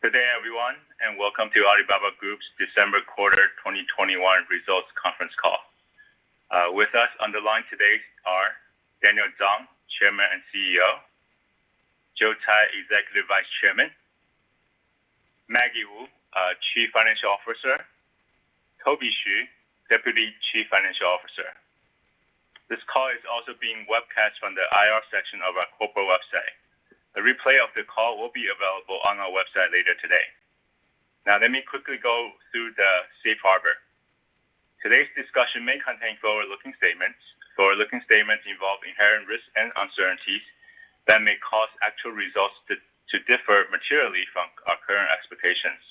Good day, everyone, and welcome to Alibaba Group's December quarter 2021 results conference call. With us on the line today are Daniel Zhang, Chairman and CEO; Joe Tsai, Executive Vice Chairman; Maggie Wu, Chief Financial Officer; Toby Xu, Deputy Chief Financial Officer. This call is also being webcast on the IR section of our corporate website. A replay of the call will be available on our website later today. Now, let me quickly go through the safe harbor. Today's discussion may contain forward-looking statements. Forward-looking statements involve inherent risks and uncertainties that may cause actual results to differ materially from our current expectations.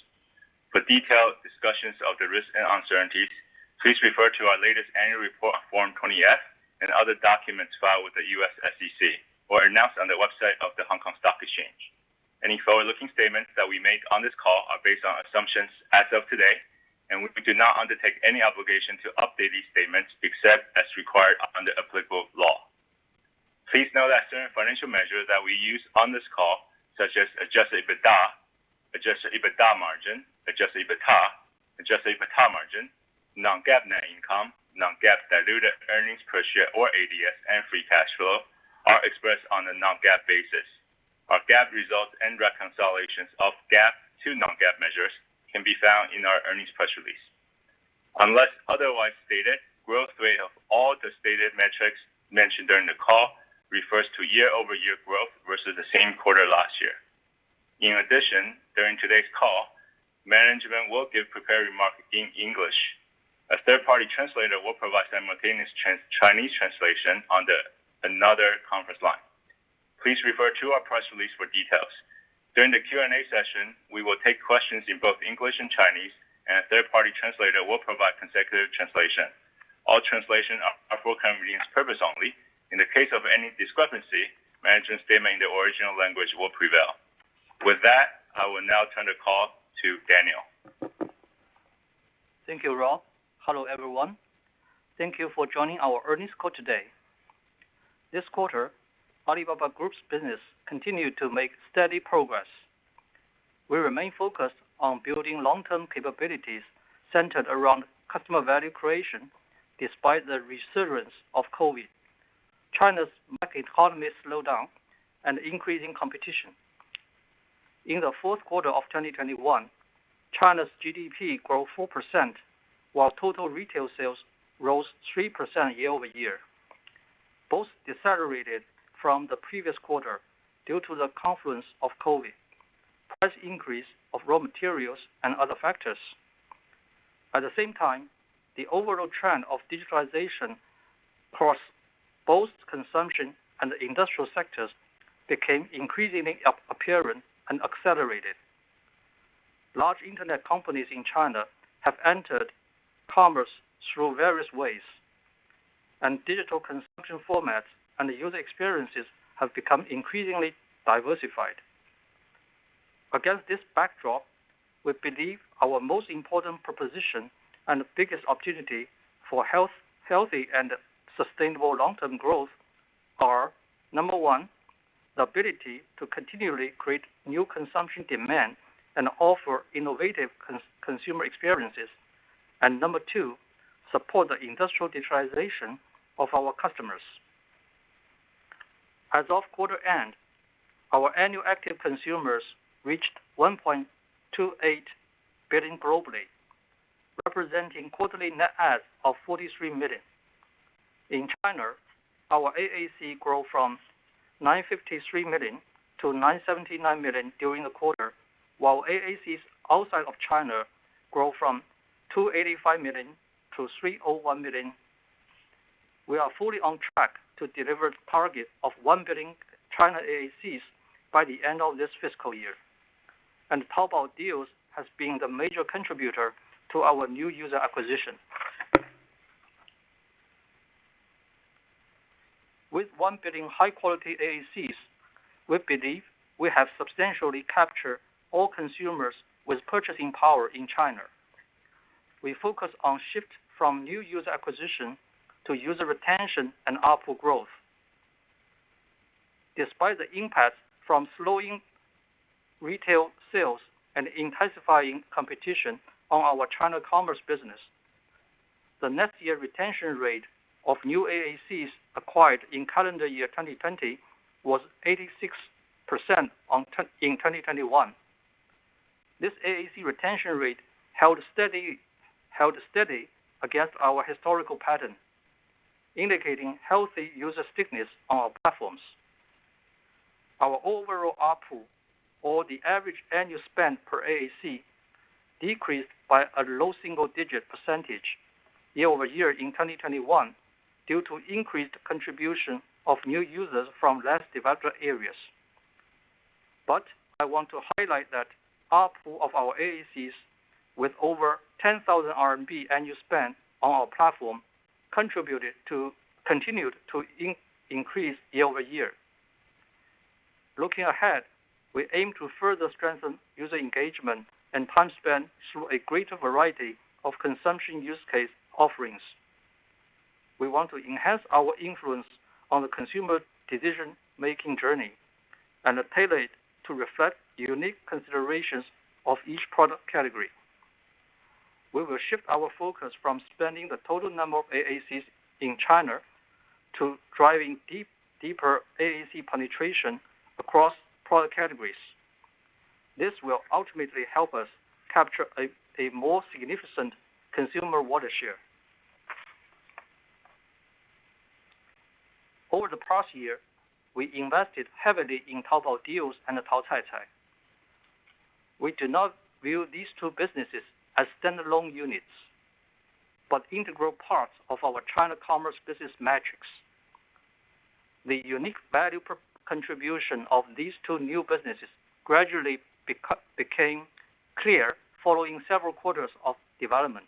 For detailed discussions of the risks and uncertainties, please refer to our latest annual report on Form 20-F and other documents filed with the U.S. SEC or announced on the website of the Hong Kong Stock Exchange. Any forward-looking statements that we make on this call are based on assumptions as of today, and we do not undertake any obligation to update these statements except as required under applicable law. Please note that certain financial measures that we use on this call, such as adjusted EBITDA, adjusted EBITDA margin, adjusted EBITDA margin, non-GAAP net income, non-GAAP diluted earnings per share or ADS and free cash flow, are expressed on a non-GAAP basis. Our GAAP results and reconciliations of GAAP to non-GAAP measures can be found in our earnings press release. Unless otherwise stated, growth rate of all the stated metrics mentioned during the call refers to year-over-year growth versus the same quarter last year. In addition, during today's call, management will give prepared remarks in English. A third party translator will provide simultaneous Chinese translation on another conference line. Please refer to our press release for details. During the Q&A session, we will take questions in both English and Chinese, and a third party translator will provide consecutive translation. All translations are for convenience purpose only. In the case of any discrepancy, management's statement in the original language will prevail. With that, I will now turn the call to Daniel. Thank you, Rob. Hello, everyone. Thank you for joining our earnings call today. This quarter, Alibaba Group's business continued to make steady progress. We remain focused on building long term capabilities centered around customer value creation despite the resurgence of COVID, China's market economy slowdown, and increasing competition. In the fourth quarter of 2021, China's GDP grew 4%, while total retail sales rose 3% year-over-year. Both decelerated from the previous quarter due to the confluence of COVID, price increase of raw materials, and other factors. At the same time, the overall trend of digitalization across both consumption and industrial sectors became increasingly apparent and accelerated. Large internet companies in China have entered commerce through various ways, and digital consumption formats and user experiences have become increasingly diversified. Against this backdrop, we believe our most important proposition and the biggest opportunity for healthy and sustainable long-term growth are, number one, the ability to continually create new consumption demand and offer innovative consumer experiences. Number two, support the industrial digitalization of our customers. As of quarter end, our annual active consumers reached 1.28 billion globally, representing quarterly net adds of 43 million. In China, our AAC grew from 953 million to 979 million during the quarter, while AACs outside of China grow from 285 million to 301 million. We are fully on track to deliver the target of 1 billion China AACs by the end of this fiscal year, and Taobao Deals has been the major contributor to our new user acquisition. With 1 billion high-quality AACs, we believe we have substantially captured all consumers with purchasing power in China. We focus on shift from new user acquisition to user retention and output growth. Despite the impact from slowing retail sales and intensifying competition on our China commerce business, the next year retention rate of new AACs acquired in calendar year 2020 was 86% in 2021. This AAC retention rate held steady against our historical pattern, indicating healthy user stickiness on our platforms. Our overall ARPU, or the average annual spend per AAC, decreased by a low single-digit percentage year-over-year in 2021 due to increased contribution of new users from less developed areas. I want to highlight that ARPU of our AACs with over 10,000 RMB annual spend on our platform continued to increase year-over-year. Looking ahead, we aim to further strengthen user engagement and time spent through a greater variety of consumption use case offerings. We want to enhance our influence on the consumer decision-making journey and tailor it to reflect unique considerations of each product category. We will shift our focus from spending the total number of AACs in China to driving deeper AAC penetration across product categories. This will ultimately help us capture a more significant consumer wallet share. Over the past year, we invested heavily in Taobao Deals and Taocaicai. We do not view these two businesses as stand-alone units, but integral parts of our China commerce business metrics. The unique value per contribution of these two new businesses gradually became clear following several quarters of development.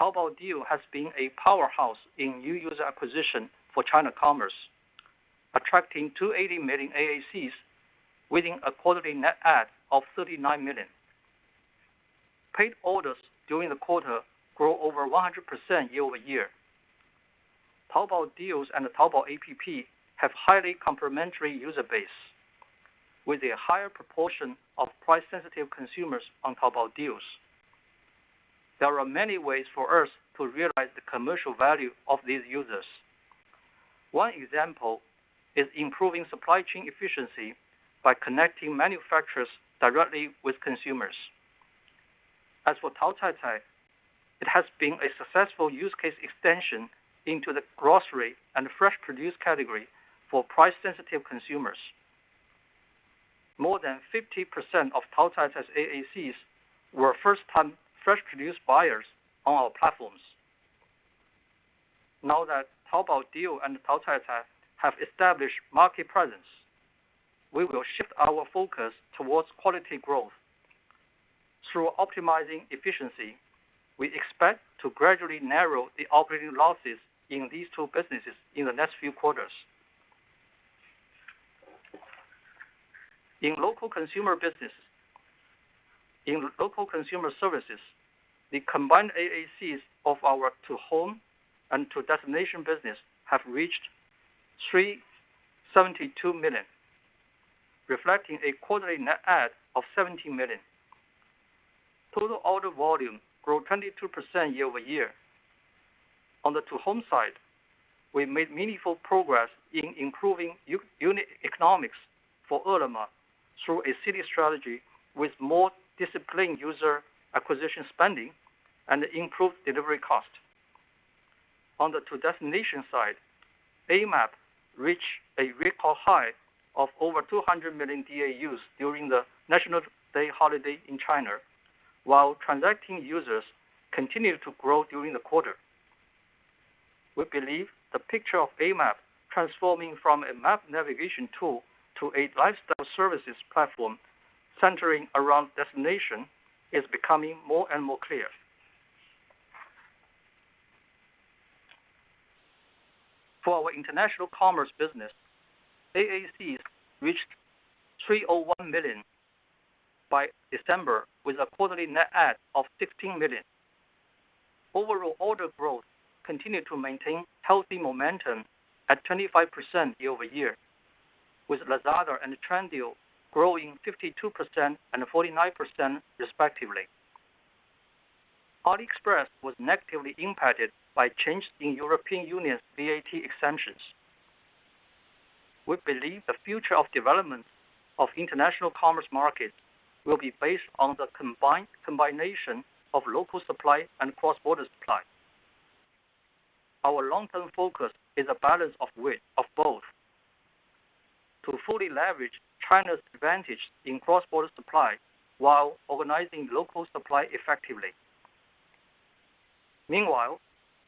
Taobao Deals has been a powerhouse in new user acquisition for China commerce, attracting 280 million AACs within a quarterly net add of 39 million. Paid orders during the quarter grew over 100% year-over-year. Taobao Deals and the Taobao app have highly complementary user base, with a higher proportion of price-sensitive consumers on Taobao Deals. There are many ways for us to realize the commercial value of these users. One example is improving supply chain efficiency by connecting manufacturers directly with consumers. As for Taocaicai, it has been a successful use case extension into the grocery and fresh produce category for price-sensitive consumers. More than 50% of Taocaicai's AACs were first-time fresh produce buyers on our platforms. Now that Taobao Deals and Taocaicai have established market presence, we will shift our focus towards quality growth. Through optimizing efficiency, we expect to gradually narrow the operating losses in these two businesses in the next few quarters. In local consumer services, the combined AACs of our To-Home and To-Destination business have reached 372 million, reflecting a quarterly net add of 17 million. Total order volume grew 22% year-over-year. On the To-Home side, we made meaningful progress in improving unit economics for Ele.me through a city strategy with more disciplined user acquisition spending and improved delivery cost. On the To-Destination side, Amap reached a record high of over 200 million DAUs during the National Day holiday in China, while transacting users continued to grow during the quarter. We believe the picture of Amap transforming from a map navigation tool to a lifestyle services platform centering around destination is becoming more and more clear. For our international commerce business, AACs reached 301 million by December, with a quarterly net add of 15 million. Overall order growth continued to maintain healthy momentum at 25% year-over-year, with Lazada and Trendyol growing 52% and 49% respectively. AliExpress was negatively impacted by changes in European Union's VAT exemptions. We believe the future of development of international commerce markets will be based on the combined combination of local supply and cross-border supply. Our long-term focus is a balance of both to fully leverage China's advantage in cross-border supply while organizing local supply effectively. Meanwhile,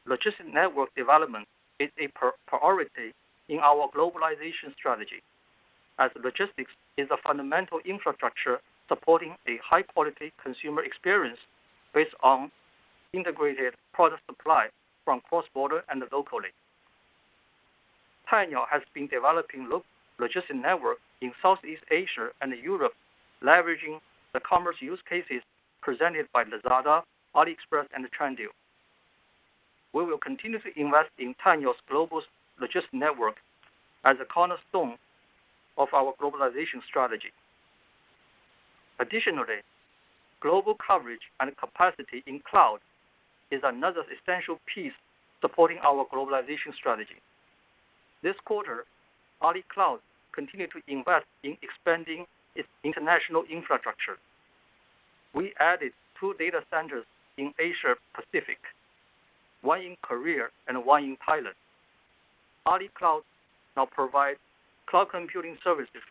logistics network development is a priority in our globalization strategy, as logistics is a fundamental infrastructure supporting a high-quality consumer experience based on integrated product supply from cross-border and locally. Cainiao has been developing logistics network in Southeast Asia and Europe, leveraging the e-commerce use cases presented by Lazada, AliExpress, and Trendyol. We will continue to invest in Cainiao's global logistics network as a cornerstone of our globalization strategy. Additionally, global coverage and capacity in cloud is another essential piece supporting our globalization strategy. This quarter, Alibaba Cloud continued to invest in expanding its international infrastructure. We added 2 data centers in Asia Pacific, 1 in Korea and 1 in Thailand. Alibaba Cloud now provides cloud computing services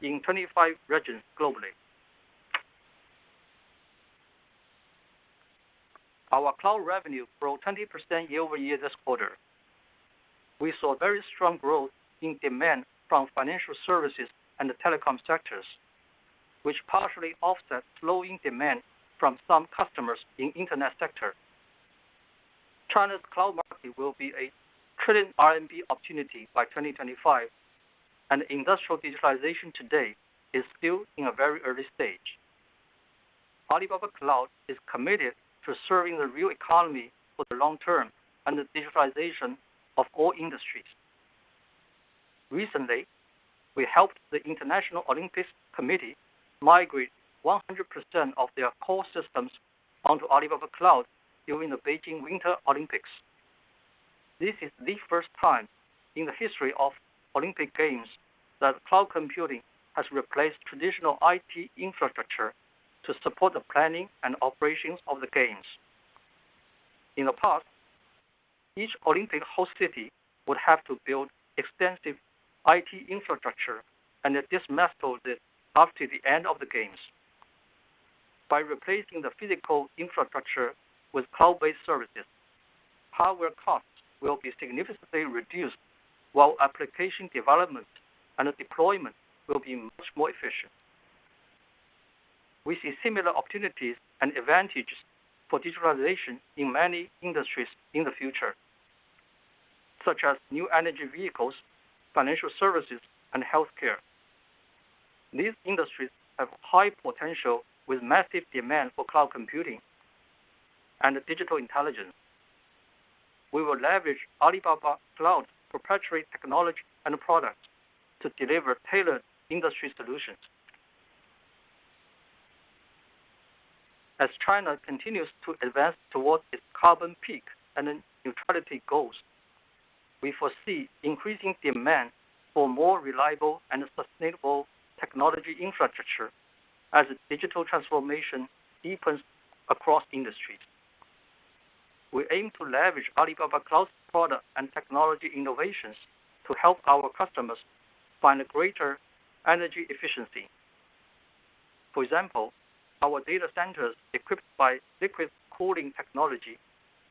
in 25 regions globally. Our cloud revenue grew 20% year-over-year this quarter. We saw very strong growth in demand from financial services and the telecom sectors, which partially offset slowing demand from some customers in internet sector. China's cloud market will be a 1 trillion RMB opportunity by 2025, and industrial digitalization today is still in a very early stage. Alibaba Cloud is committed to serving the real economy for the long term and the digitalization of all industries. Recently, we helped the International Olympic Committee migrate 100% of their core systems onto Alibaba Cloud during the Beijing Winter Olympics. This is the first time in the history of Olympic Games that cloud computing has replaced traditional IT infrastructure to support the planning and operations of the games. In the past, each Olympic host city would have to build extensive IT infrastructure and then dismantle it after the end of the games. By replacing the physical infrastructure with cloud-based services, power costs will be significantly reduced while application development and deployment will be much more efficient. We see similar opportunities and advantages for digitalization in many industries in the future, such as new energy vehicles, financial services, and healthcare. These industries have high potential with massive demand for cloud computing and digital intelligence. We will leverage Alibaba Cloud proprietary technology and products to deliver tailored industry solutions. As China continues to advance towards its carbon peak and then neutrality goals, we foresee increasing demand for more reliable and sustainable technology infrastructure as digital transformation deepens across industries. We aim to leverage Alibaba Cloud product and technology innovations to help our customers find greater energy efficiency. For example, our data centers equipped by liquid cooling technology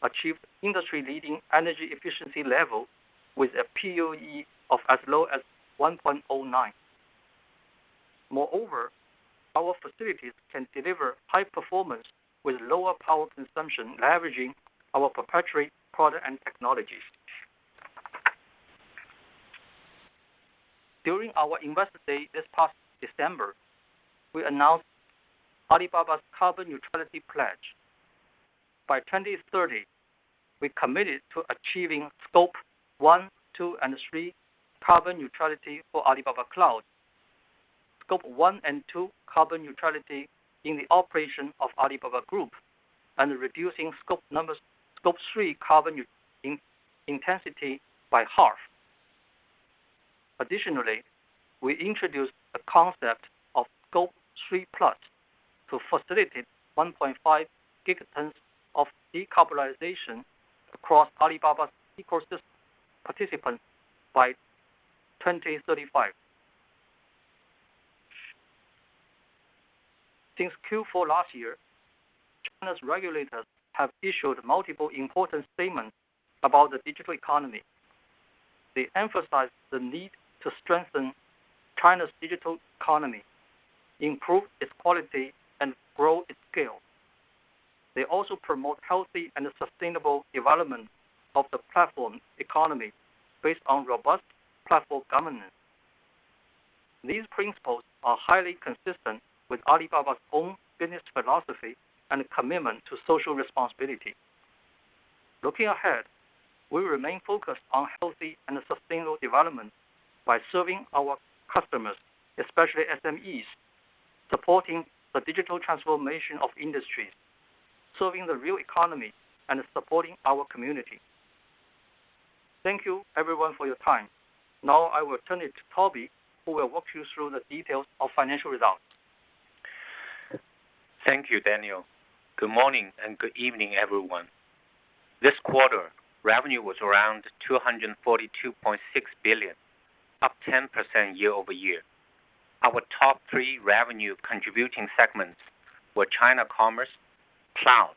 achieve industry-leading energy efficiency level with a PUE of as low as 1.09. Moreover, our facilities can deliver high performance with lower power consumption leveraging our proprietary product and technologies. During our Investor Day this past December, we announced Alibaba's carbon neutrality pledge. By 2030, we committed to achieving Scope 1, 2, and 3 carbon neutrality for Alibaba Cloud, Scope 1 and 2 carbon neutrality in the operation of Alibaba Group, and reducing Scope 3 carbon intensity by half. Additionally, we introduced a concept of Scope 3+ to facilitate 1.5 gigatons of decarbonization across Alibaba's ecosystem participants by 2035. Since Q4 last year, China's regulators have issued multiple important statements about the digital economy. They emphasize the need to strengthen China's digital economy, improve its quality, and grow its scale. They also promote healthy and sustainable development of the platform economy based on robust platform governance. These principles are highly consistent with Alibaba's own business philosophy and commitment to social responsibility. Looking ahead, we remain focused on healthy and sustainable development by serving our customers, especially SMEs, supporting the digital transformation of industries, serving the real economy, and supporting our community. Thank you everyone for your time. Now I will turn it to Toby, who will walk you through the details of financial results. Thank you, Daniel. Good morning and good evening, everyone. This quarter, revenue was around 242.6 billion, up 10% year-over-year. Our top three revenue contributing segments were China Commerce, Cloud,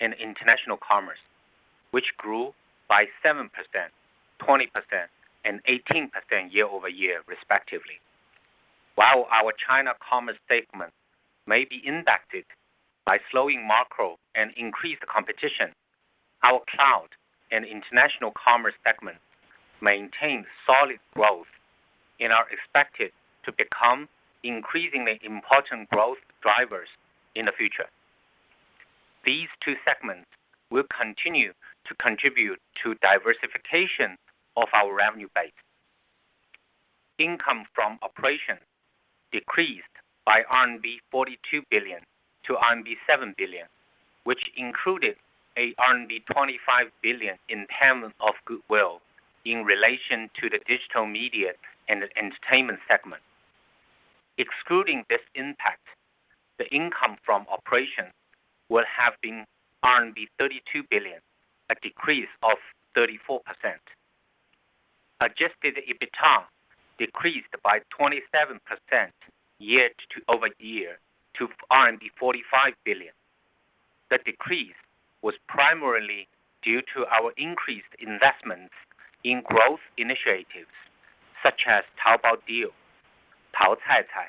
and International Commerce, which grew by 7%, 20%, and 18% year-over-year respectively. While our China Commerce segment may be impacted by slowing macro and increased competition, our Cloud and International Commerce segment maintained solid growth and are expected to become increasingly important growth drivers in the future. These two segments will continue to contribute to diversification of our revenue base. Income from operations decreased by RMB 42 billion to RMB 7 billion, which included a RMB 25 billion impairment of goodwill in relation to the digital media and entertainment segment. Excluding this impact, the income from operations would have been 32 billion, a decrease of 34%. Adjusted EBITDA decreased by 27% year-over-year to RMB 45 billion. The decrease was primarily due to our increased investments in growth initiatives such as Taobao Deals, Taocaicai,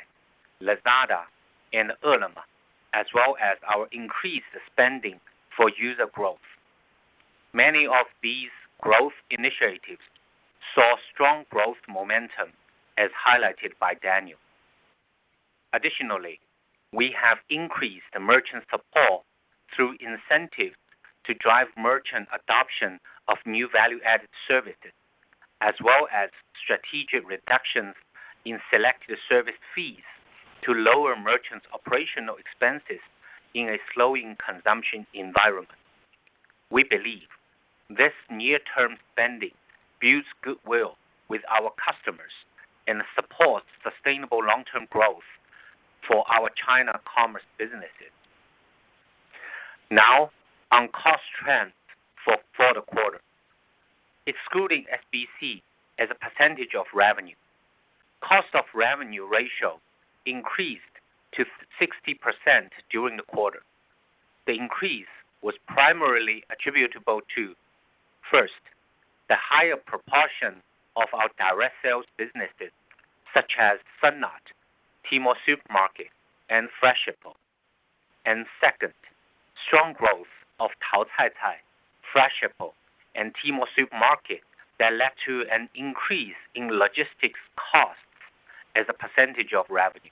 Lazada, and Hema, as well as our increased spending for user growth. Many of these growth initiatives saw strong growth momentum as highlighted by Daniel. Additionally, we have increased the merchant support through incentives to drive merchant adoption of new value-added services as well as strategic reductions in selective service fees to lower merchants' operational expenses in a slowing consumption environment. We believe this near-term spending builds goodwill with our customers and supports sustainable long-term growth for our China commerce businesses. Now on cost trends for the quarter. Excluding SBC as a percentage of revenue, cost of revenue ratio increased to 60% during the quarter. The increase was primarily attributable to, first, the higher proportion of our direct sales businesses such as Sun Art, Tmall Supermarket and Freshippo. Second, strong growth of Taocaicai, Freshippo and Tmall Supermarket that led to an increase in logistics costs as a percentage of revenue.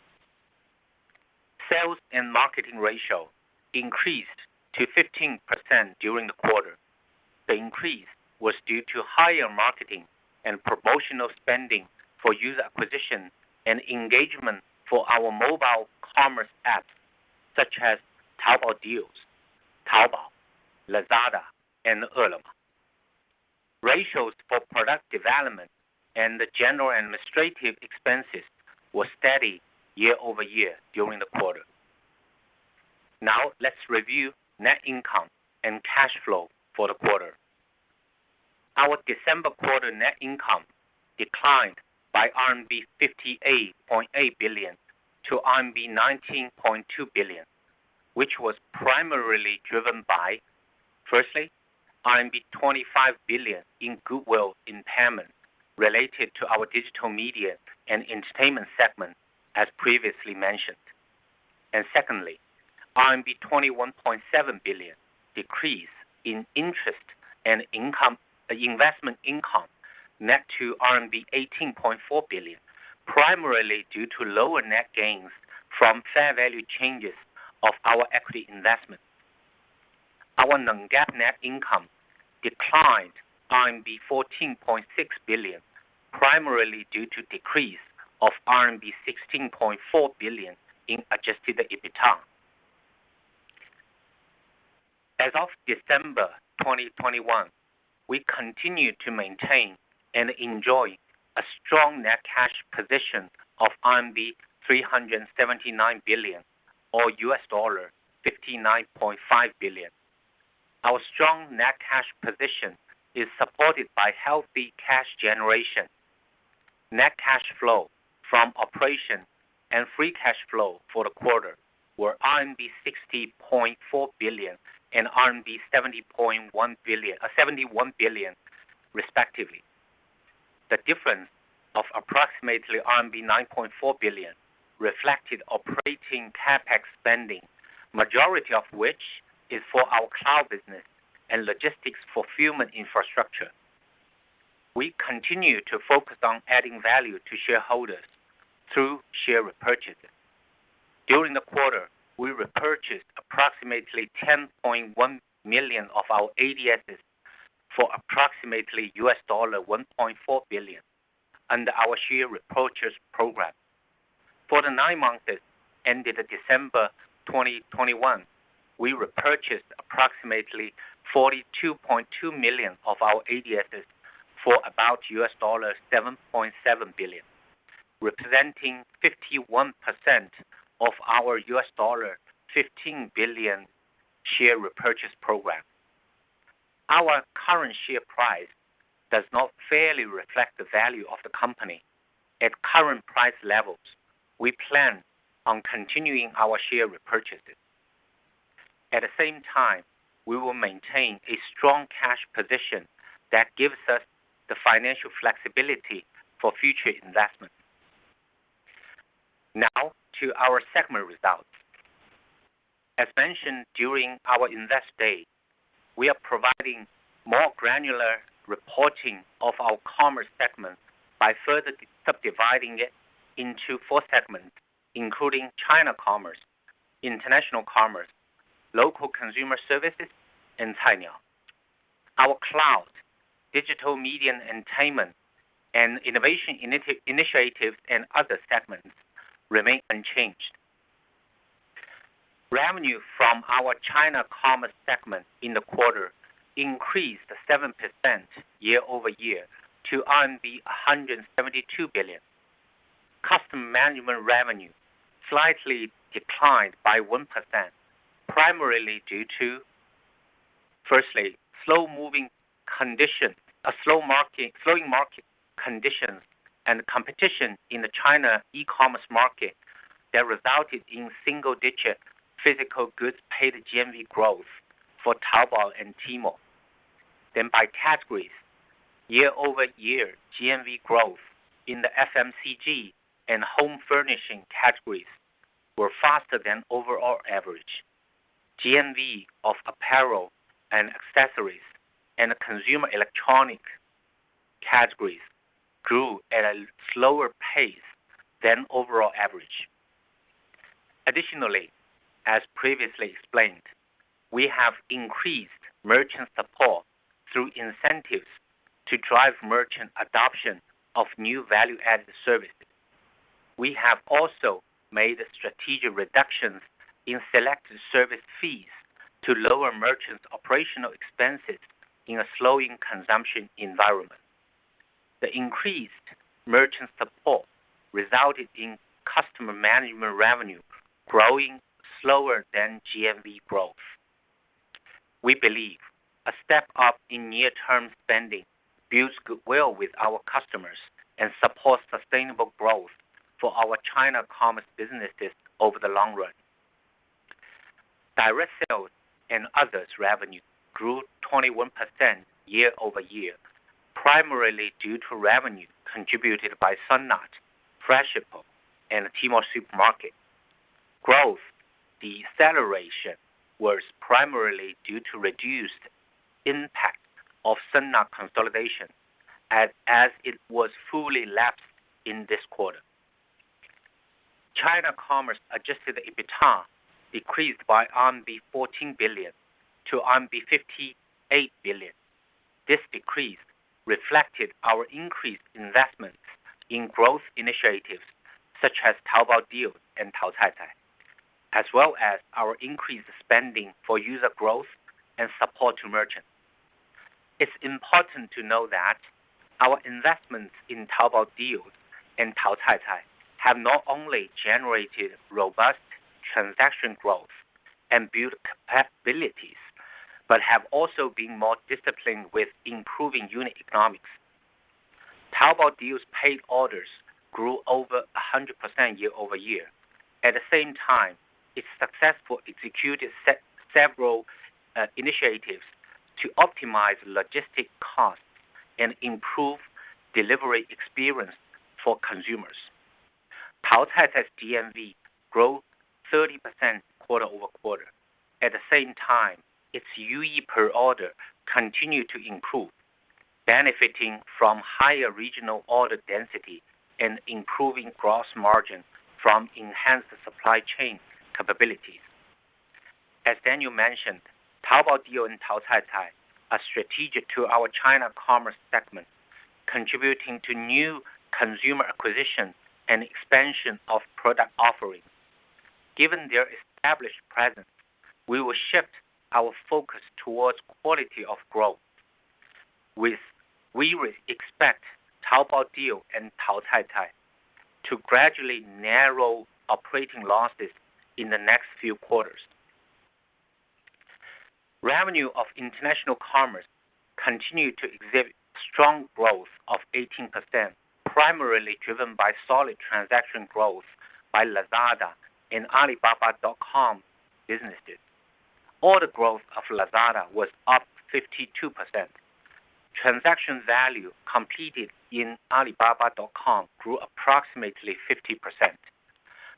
Sales and marketing ratio increased to 15% during the quarter. The increase was due to higher marketing and promotional spending for user acquisition and engagement for our mobile commerce apps such as Taobao Deals, Taobao, Lazada and Ele.me. Ratios for product development and the general administrative expenses were steady year-over-year during the quarter. Now let's review net income and cash flow for the quarter. Our December quarter net income declined by RMB 58.8 billion to RMB 19.2 billion, which was primarily driven by, firstly, RMB 25 billion in goodwill impairment related to our Digital Media and Entertainment segment, as previously mentioned. Secondly, RMB 21.7 billion decrease in interest and investment income net to RMB 18.4 billion, primarily due to lower net gains from fair value changes of our equity investment. Our non-GAAP net income declined RMB 14.6 billion, primarily due to decrease of RMB 16.4 billion in adjusted EBITDA. As of December 2021, we continue to maintain and enjoy a strong net cash position of RMB 379 billion or $59.5 billion. Our strong net cash position is supported by healthy cash generation. Net cash flow from operation and free cash flow for the quarter were RMB 60.4 billion and 71 billion, respectively. The difference of approximately RMB 9.4 billion reflected operating CapEx spending, majority of which is for our cloud business and logistics fulfillment infrastructure. We continue to focus on adding value to shareholders through share repurchases. During the quarter, we repurchased approximately 10.1 million of our ADSs for approximately $1.4 billion under our share repurchase program. For the nine months that ended December 2021, we repurchased approximately 42.2 million of our ADSs for about $7.7 billion, representing 51% of our $15 billion share repurchase program. Our current share price does not fairly reflect the value of the company. At current price levels, we plan on continuing our share repurchases. At the same time, we will maintain a strong cash position that gives us the financial flexibility for future investments. Now to our segment results. As mentioned during our Investor Day, we are providing more granular reporting of our commerce segment by further subdividing it into four segments, including China commerce, international commerce, local consumer services and Cainiao. Our cloud, digital media and entertainment and innovation initiatives and other segments remain unchanged. Revenue from our China commerce segment in the quarter increased 7% year-over-year to 172 billion. Customer management revenue slightly declined by 1%, primarily due to, firstly, slowing market conditions and competition in the China e-commerce market that resulted in single-digit physical goods paid GMV growth for Taobao and Tmall. By categories, year-over-year GMV growth in the FMCG and home furnishing categories were faster than overall average. GMV of apparel and accessories and the consumer electronic categories grew at a slower pace than overall average. Additionally, as previously explained, we have increased merchant support through incentives to drive merchant adoption of new value-added services. We have also made strategic reductions in selected service fees to lower merchants' operational expenses in a slowing consumption environment. The increased merchant support resulted in customer management revenue growing slower than GMV growth. We believe a step up in near-term spending builds goodwill with our customers and supports sustainable growth for our China commerce businesses over the long run. Direct sales and others revenue grew 21% year-over-year, primarily due to revenue contributed by Sun Art, Freshippo, and Tmall Supermarket. Growth deceleration was primarily due to reduced impact of Sun Art consolidation as it was fully lapsed in this quarter. China commerce adjusted EBITDA decreased by RMB 14 billion to RMB 58 billion. This decrease reflected our increased investments in growth initiatives such as Taobao Deals and Taocaicai, as well as our increased spending for user growth and support to merchants. It's important to know that our investments in Taobao Deals and Taocaicai have not only generated robust transaction growth and built capabilities, but have also been more disciplined with improving unit economics. Taobao Deals paid orders grew over 100% year-over-year. At the same time, it successfully executed several initiatives to optimize logistic costs and improve delivery experience for consumers. Taocaicai's GMV grew 30% quarter-over-quarter. At the same time, its UE per order continued to improve, benefiting from higher regional order density and improving gross margin from enhanced supply chain capabilities. As Daniel mentioned, Taobao Deals and Taocaicai are strategic to our China commerce segment, contributing to new consumer acquisition and expansion of product offerings. Given their established presence, we will shift our focus towards quality of growth. We would expect Taobao Deals and Taocaicai to gradually narrow operating losses in the next few quarters. Revenue of international commerce continued to exhibit strong growth of 18%, primarily driven by solid transaction growth by Lazada and Alibaba.com businesses. Order growth of Lazada was up 52%. Transaction value completed in Alibaba.com grew approximately 50%.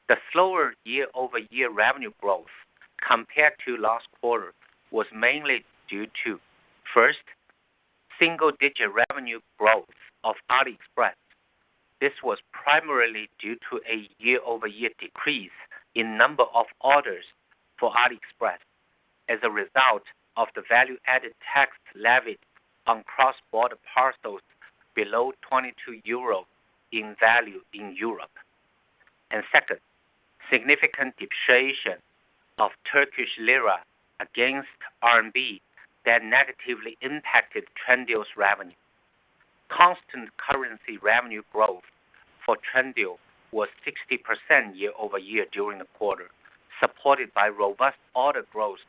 The slower year-over-year revenue growth compared to last quarter was mainly due to, first, single-digit revenue growth of AliExpress. This was primarily due to a year-over-year decrease in number of orders for AliExpress as a result of the value-added tax levied on cross-border parcels below 22 euros in value in Europe. Second, significant depreciation of Turkish lira against RMB that negatively impacted Trendyol's revenue. Constant currency revenue growth for Trendyol was 60% year-over-year during the quarter, supported by robust order growth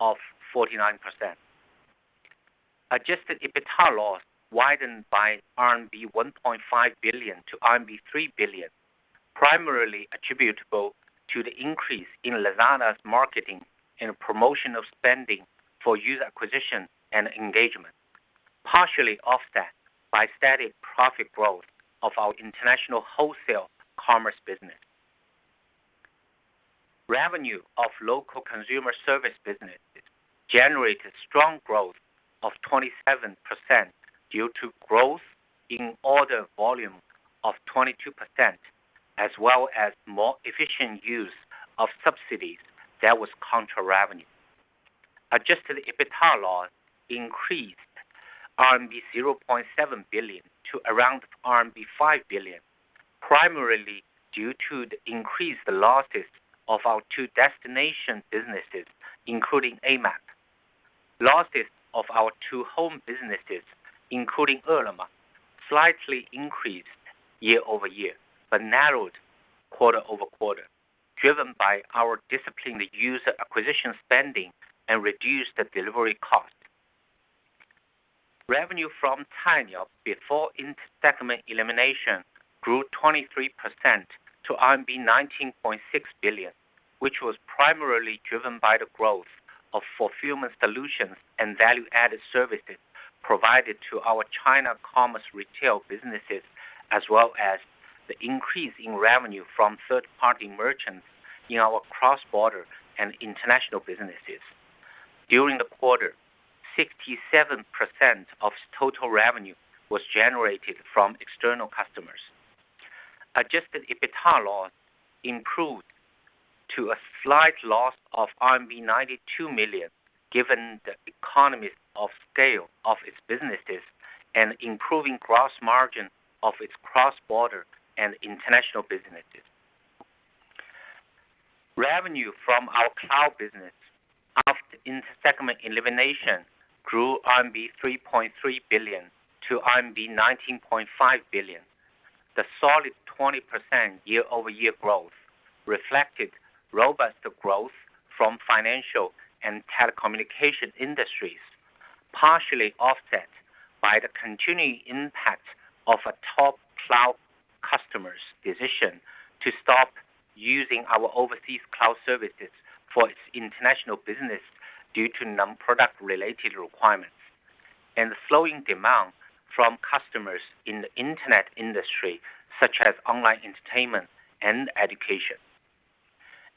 of 49%. Adjusted EBITDA loss widened by RMB 1.5 billion to RMB 3 billion, primarily attributable to the increase in Lazada's marketing and promotional spending for user acquisition and engagement, partially offset by steady profit growth of our international wholesale commerce business. Revenue of local consumer service businesses generated strong growth of 27% due to growth in order volume of 22%, as well as more efficient use of subsidies that was contra-revenue. Adjusted EBITDA loss increased RMB 0.7 billion to around RMB 5 billion, primarily due to the increased losses of our To-Destination businesses, including Amap. Losses of our To-Home businesses, including Ele.me, slightly increased year-over-year, but narrowed quarter-over-quarter, driven by our disciplined user acquisition spending and reduced delivery cost. Revenue from Cainiao before intersegment elimination grew 23% to RMB 19.6 billion, which was primarily driven by the growth of fulfillment solutions and value-added services provided to our China commerce retail businesses, as well as the increase in revenue from third-party merchants in our cross-border and international businesses. During the quarter, 67% of total revenue was generated from external customers. Adjusted EBITDA loss improved to a slight loss of RMB 92 million, given the economies of scale of its businesses and improving gross margin of its cross-border and international businesses. Revenue from our cloud business after intersegment elimination grew RMB 3.3 billion to RMB 19.5 billion. The solid 20% year-over-year growth reflected robust growth from financial and telecommunication industries, partially offset by the continuing impact of a top cloud customer's decision to stop using our overseas cloud services for its international business due to non-product related requirements and the slowing demand from customers in the internet industry, such as online entertainment and education.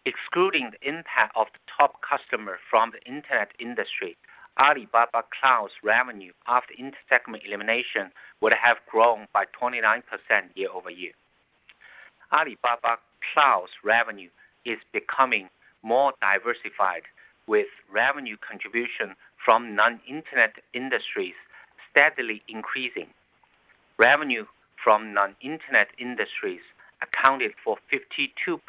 Excluding the impact of the top customer from the internet industry, Alibaba Cloud's revenue after intersegment elimination would have grown by 29% year-over-year. Alibaba Cloud's revenue is becoming more diversified, with revenue contribution from non-internet industries steadily increasing. Revenue from non-internet industries accounted for 52%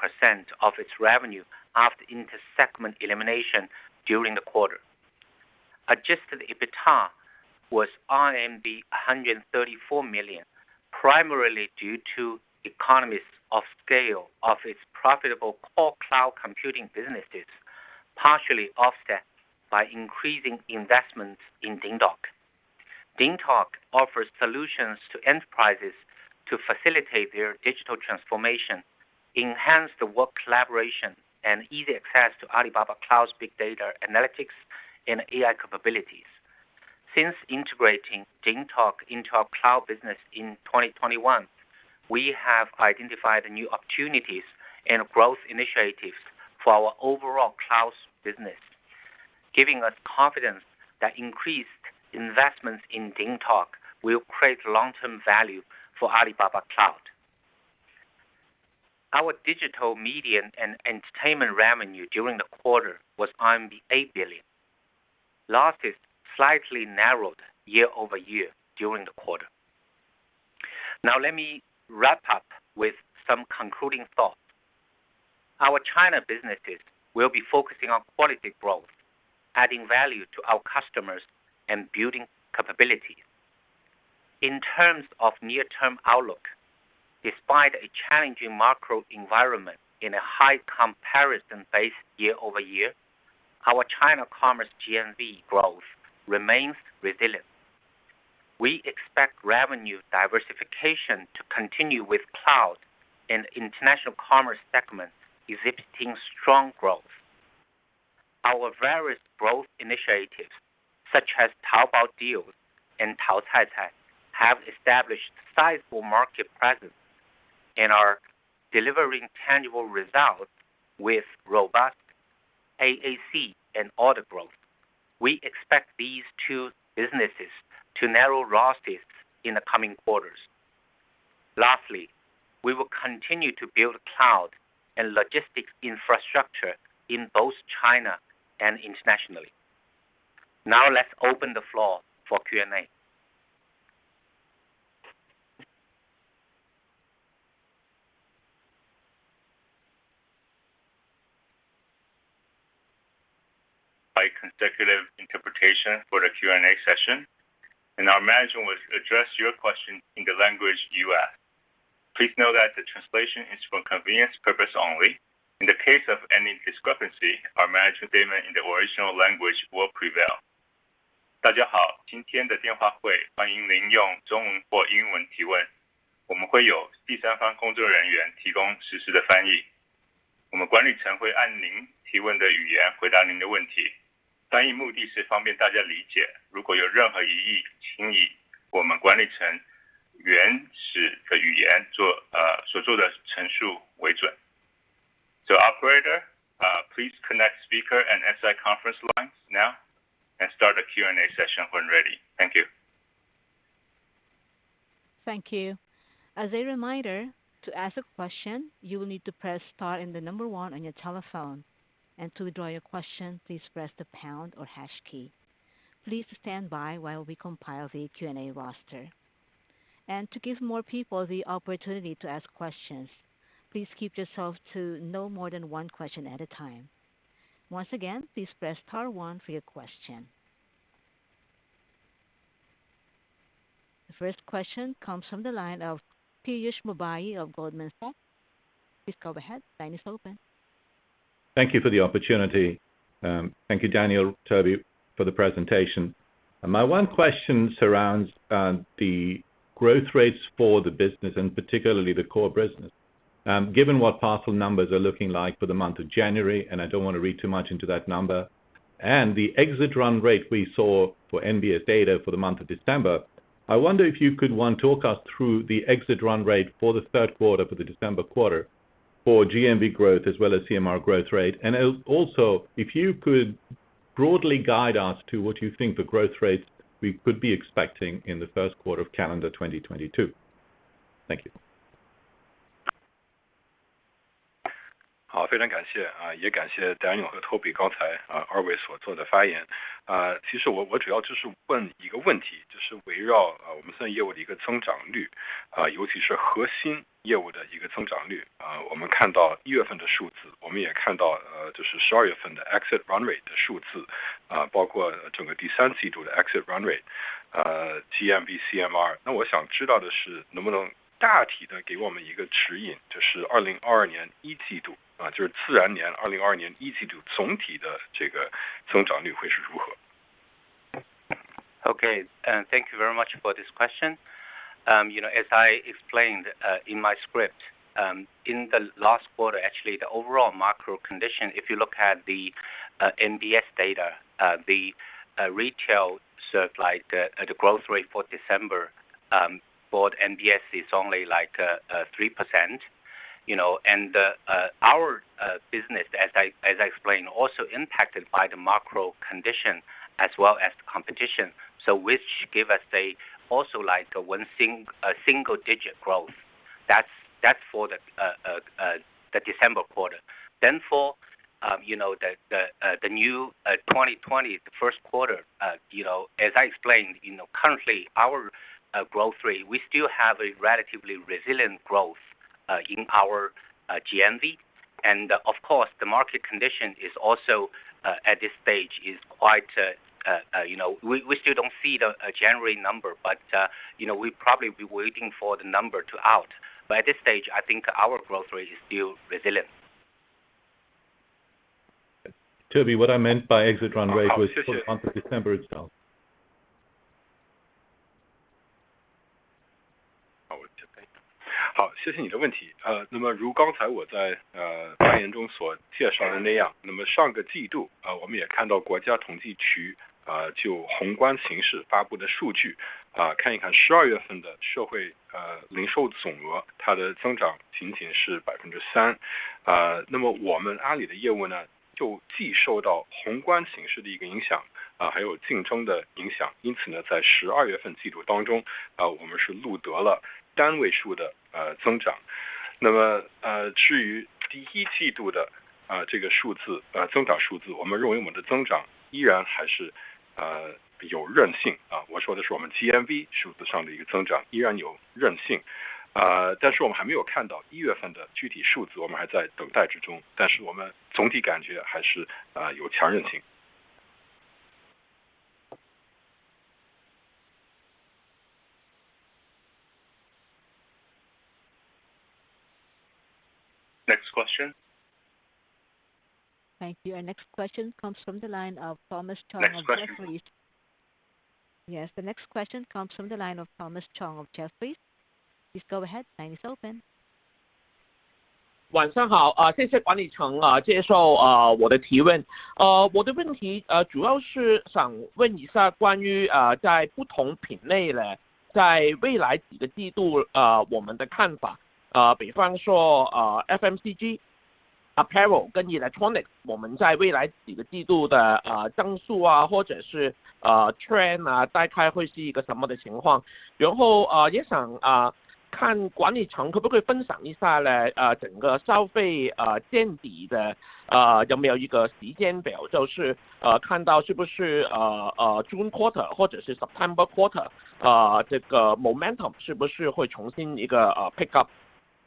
of its revenue after intersegment elimination during the quarter. Adjusted EBITDA was RMB 134 million, primarily due to economies of scale of its profitable core cloud computing businesses, partially offset by increasing investments in DingTalk. DingTalk offers solutions to enterprises to facilitate their digital transformation, enhance the work collaboration, and easy access to Alibaba Cloud's big data analytics and AI capabilities. Since integrating DingTalk into our cloud business in 2021, we have identified new opportunities and growth initiatives for our overall cloud business, giving us confidence that increased investments in DingTalk will create long-term value for Alibaba Cloud. Our digital media and entertainment revenue during the quarter was 8 billion. Losses slightly narrowed year over year during the quarter. Now let me wrap up with some concluding thoughts. Our China businesses will be focusing on quality growth, adding value to our customers, and building capabilities. In terms of near-term outlook, despite a challenging macro environment in a high comparison base year-over-year, our China commerce GMV growth remains resilient. We expect revenue diversification to continue with cloud and international commerce segment exhibiting strong growth. Our various growth initiatives, such as Taobao Deals and Taocaicai, have established sizable market presence and are delivering tangible results with robust AAC and order growth. We expect these two businesses to narrow losses in the coming quarters. Lastly, we will continue to build cloud and logistics infrastructure in both China and internationally. Now let's open the floor for Q&A. Consecutive interpretation for the Q&A session, and our management will address your question in the language you ask. Please note that the translation is for convenience purposes only. In the case of any discrepancy, our management statement in the original language will prevail. Operator, please connect speaker and CI conference lines now and start the Q&A session when ready. Thank you. Thank you. As a reminder, to ask a question, you will need to press star and the number one on your telephone. To withdraw your question, please press the pound or hash key. Please stand by while we compile the Q&A roster. To give more people the opportunity to ask questions, please keep yourself to no more than one question at a time. Once again, please press star one for your question. The first question comes from the line of Piyush Mubayi of Goldman Sachs. Please go ahead. Line is open. Thank you for the opportunity. Thank you, Daniel, Toby, for the presentation. My one question surrounds the growth rates for the business and particularly the core business. Given what parcel numbers are looking like for the month of January, and I don't want to read too much into that number, and the exit run rate we saw for NBS data for the month of December. I wonder if you could walk us through the exit run rate for the third quarter, the December quarter, for GMV growth as well as CMR growth rate. Also, if you could broadly guide us to what you think the growth rates we could be expecting in the first quarter of calendar 2022. Thank you. 非常感谢，也感谢 Daniel 和 Toby 刚才二位所做的发言。其实我主要就是问一个问题，就是围绕我们现在业务的一个增长率，尤其是核心业务的一个增长率，我们看到一月份的数字，我们也看到就是十二月份的 exit run rate 的数字，包括整个第三季度的 exit run rate、GMV、CMR。那我想知道的是能不能大体地给我们一个指引，就是 2022 年一季度，就是自然年 2022 年一季度总体的这个增长率会是如何。Okay, thank you very much for this question. You know as I explained in my script, in the last quarter, actually the overall macro condition, if you look at the NBS data, the retail side like the growth rate for December, for NBS is only like 3%, you know, and our business as I explained, also impacted by the macro condition as well as the competition. Which give us also like a single-digit growth. That's for the December quarter. Then for you know, the new 2020 first quarter, you know, as I explained, you know, currently our growth rate, we still have a relatively resilient growth in our GMV. Of course, the market condition is also at this stage is quite, you know, we still don't see the January number, but, you know, we probably be waiting for the number to out. At this stage, I think our growth rate is still resilient. Toby, what I meant by exit run rate was for the month of December itself. Next question. Thank you. Next question comes from the line of Thomas Chong- Next question. Yes, the next question comes from the line of Thomas Chong of Jefferies. Please go ahead. Line is open.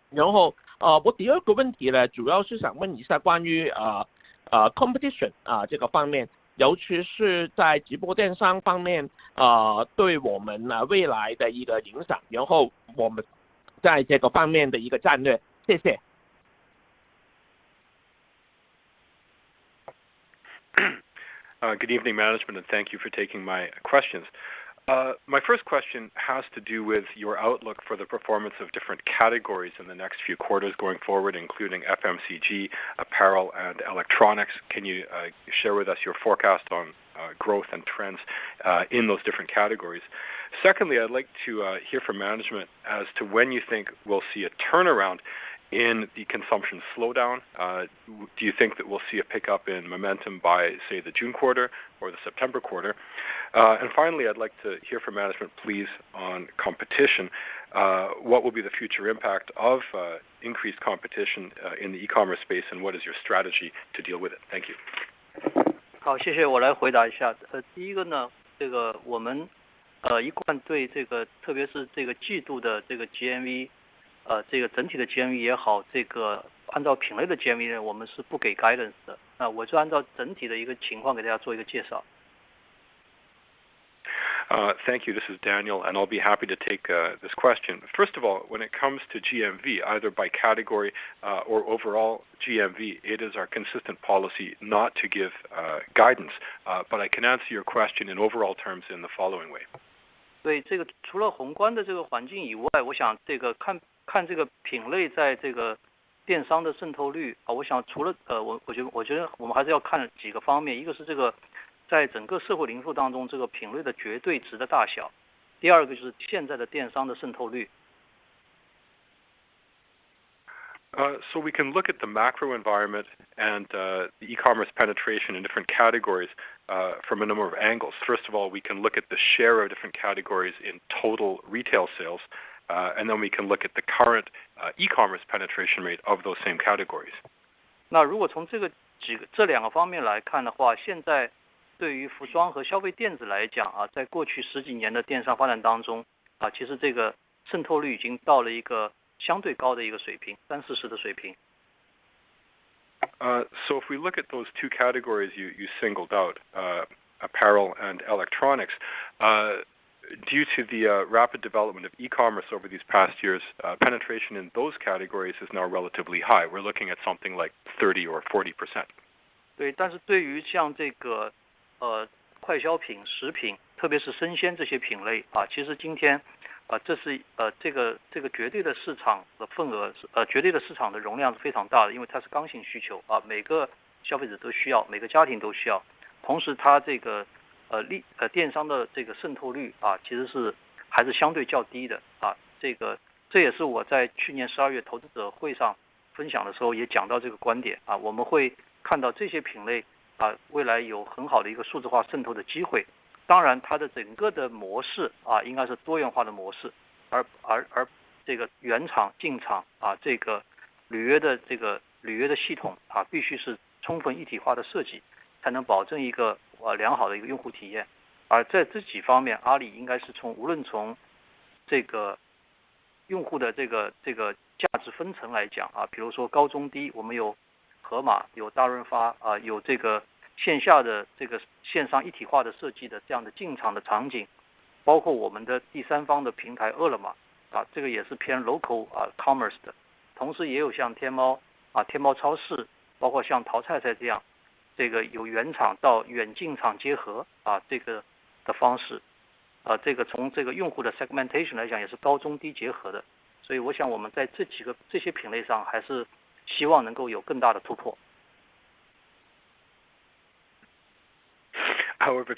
quarter，这个momentum是不是会重新有一个pickup。然后我第二个问题，主要是想问一下关于competition这个方面，尤其是在直播电商方面，对我们未来的一个影响，然后我们在这个方面的一个战略。谢谢。Good evening management, and thank you for taking my questions. My first question has to do with your outlook for the performance of different categories in the next few quarters going forward, including FMCG, apparel and electronics. Can you share with us your forecast on growth and trends in those different categories? Secondly, I'd like to hear from management as to when you think we'll see a turnaround in the consumption slowdown. Do you think that we'll see a pickup in momentum by, say, the June quarter or the September quarter? And finally, I'd like to hear from management, please, on competition. What will be the future impact of increased competition in the e-commerce space, and what is your strategy to deal with it? Thank you. 好，谢谢。我来回答一下。第一个呢，这个我们一贯对这个特别是这个季度的GMV，这个整体的GMV也好，这个按照品类的GMV呢我们是不给guidance的。那我就按照整体的一个情况给大家做一个介绍。Thank you. This is Daniel, and I'll be happy to take this question. First of all, when it comes to GMV, either by category or overall GMV, it is our consistent policy not to give guidance, but I can answer your question in overall terms in the following way. We can look at the macro environment and the e-commerce penetration in different categories from a number of angles. First of all, we can look at the share of different categories in total retail sales, and then we can look at the current e-commerce penetration rate of those same categories. If we look at those two categories you singled out, apparel and electronics. Due to the rapid development of e-commerce over these past years, penetration in those categories is now relatively high. We're looking at something like However, if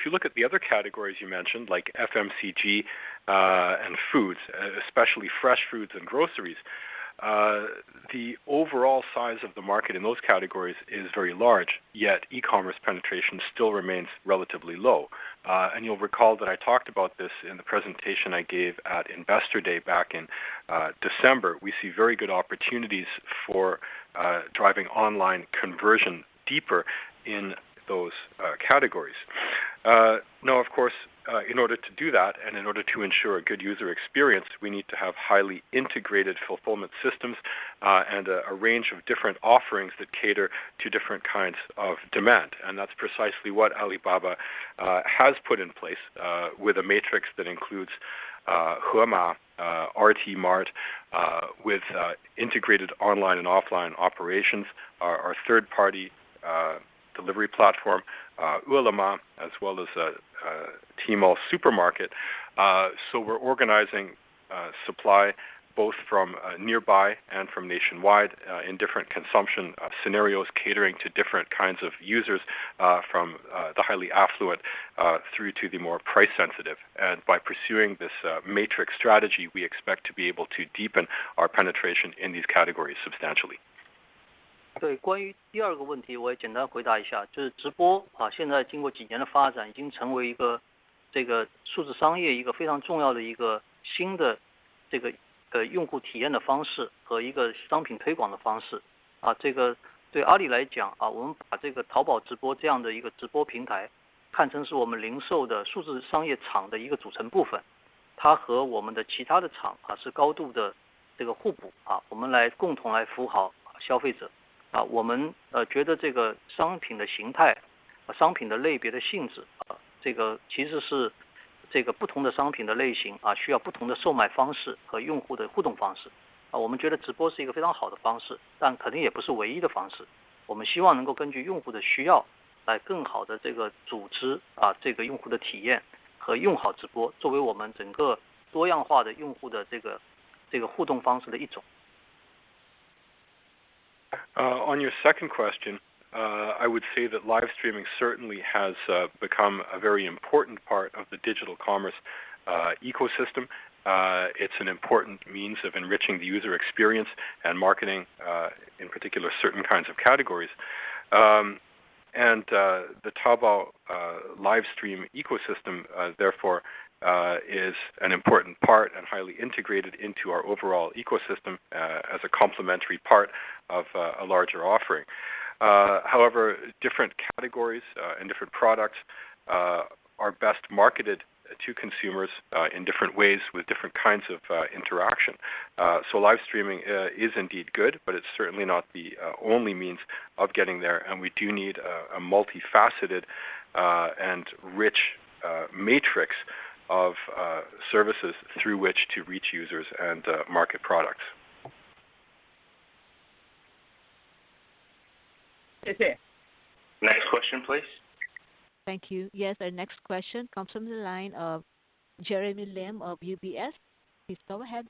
you look at the other categories you mentioned, like FMCG, and foods, especially fresh foods and groceries, the overall size of the market in those categories is very large, yet e-commerce penetration still remains relatively low. You'll recall that I talked about this in the presentation I gave at Investor Day back in December. We see very good opportunities for driving online conversion deeper in those categories. Now of course, in order to do that, and in order to ensure a good user experience, we need to have highly integrated fulfillment systems, and a range of different offerings that cater to different kinds of demand. That's precisely what Alibaba has put in place with a matrix that includes Hema, RT-Mart, with integrated online and offline operations, our third-party delivery platform, Ele.me, as well as T-mall Supermarket. We're organizing supply both from nearby and from nationwide in different consumption scenarios, catering to different kinds of users from the highly affluent through to the more price sensitive. By pursuing this matrix strategy, we expect to be able to deepen our penetration in these categories substantially. On your second question, I would say that live streaming certainly has become a very important part of the digital commerce ecosystem. It's an important means of enriching the user experience and marketing in particular certain kinds of categories. The Taobao live stream ecosystem therefore is an important part and highly integrated into our overall ecosystem as a complementary part of a larger offering. However, different categories and different products are best marketed to consumers in different ways with different kinds of interaction. Live streaming is indeed good, but it's certainly not the only means of getting there, and we do need a multifaceted and rich matrix of services through which to reach users and market products. 谢谢。Next question please. Thank you. Yes. Our next question comes from the line of Jeremy Lim of UBS. Please go ahead.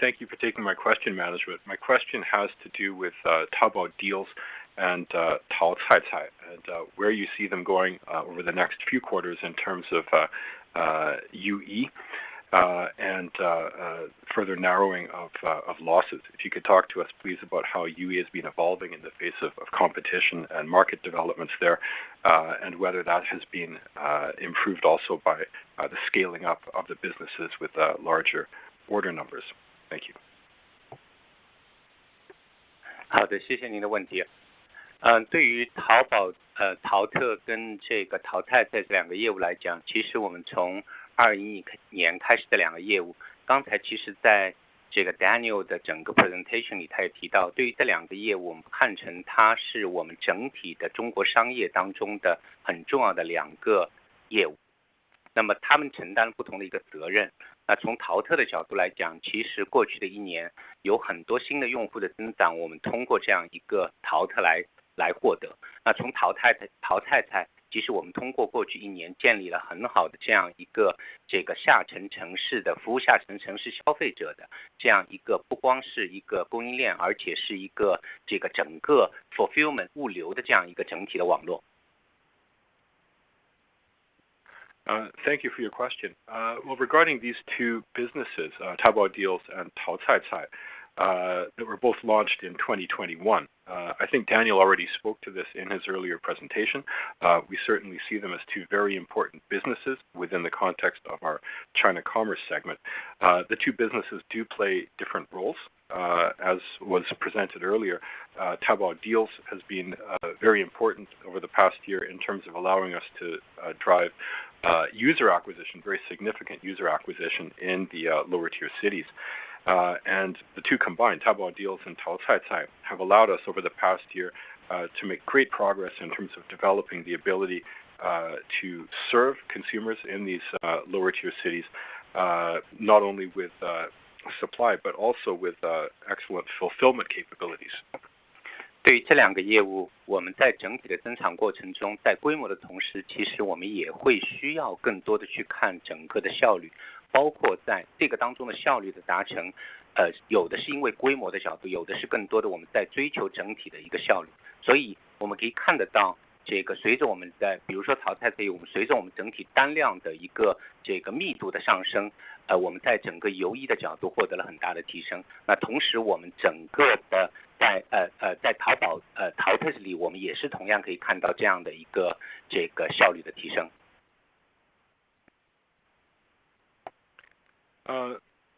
Thank you for taking my question, management. My question has to do with Taobao Deals and Taocaicai. Where you see them going over the next few quarters in terms of UE. Further narrowing of losses. If you could talk to us please, about how UE has been evolving in the face of competition and market developments there, and whether that has been improved also by the scaling up of the businesses with larger order numbers. Thank you. 好的，谢谢您的问题。对于淘宝、淘特跟淘菜菜这两个业务来讲，其实我们从二零一几年开始的两个业务，刚才其实在Daniel的整个presentation里他也提到，对于这两个业务，我们看成它是我们整体的中国商业当中的很重要的两个业务，那么他们承担了不同的一个责任。那从淘特的角度来讲，其实过去的一年有很多新的用户的增长，我们通过这样一个淘特来获得。那从淘菜菜，其实我们通过过去一年建立了很好的这样一个下沉城市的服务下沉城市消费者的这样一个不光是一个供应链，而且是一个这个整个fulfillment物流的这样一个整体的网络。Thank you for your question. Well, regarding these two businesses, Taobao Deals and Taocaicai. They were both launched in 2021. I think Daniel already spoke to this in his earlier presentation. We certainly see them as two very important businesses within the context of our China commerce segment. The two businesses do play different roles. As was presented earlier, Taobao Deals has been very important over the past year in terms of allowing us to drive user acquisition, very significant user acquisition in the lower-tier cities. The two combined Taobao Deals and Taocaicai have allowed us over the past year to make great progress in terms of developing the ability to serve consumers in these lower-tier cities, not only with supply, but also with excellent fulfillment capabilities.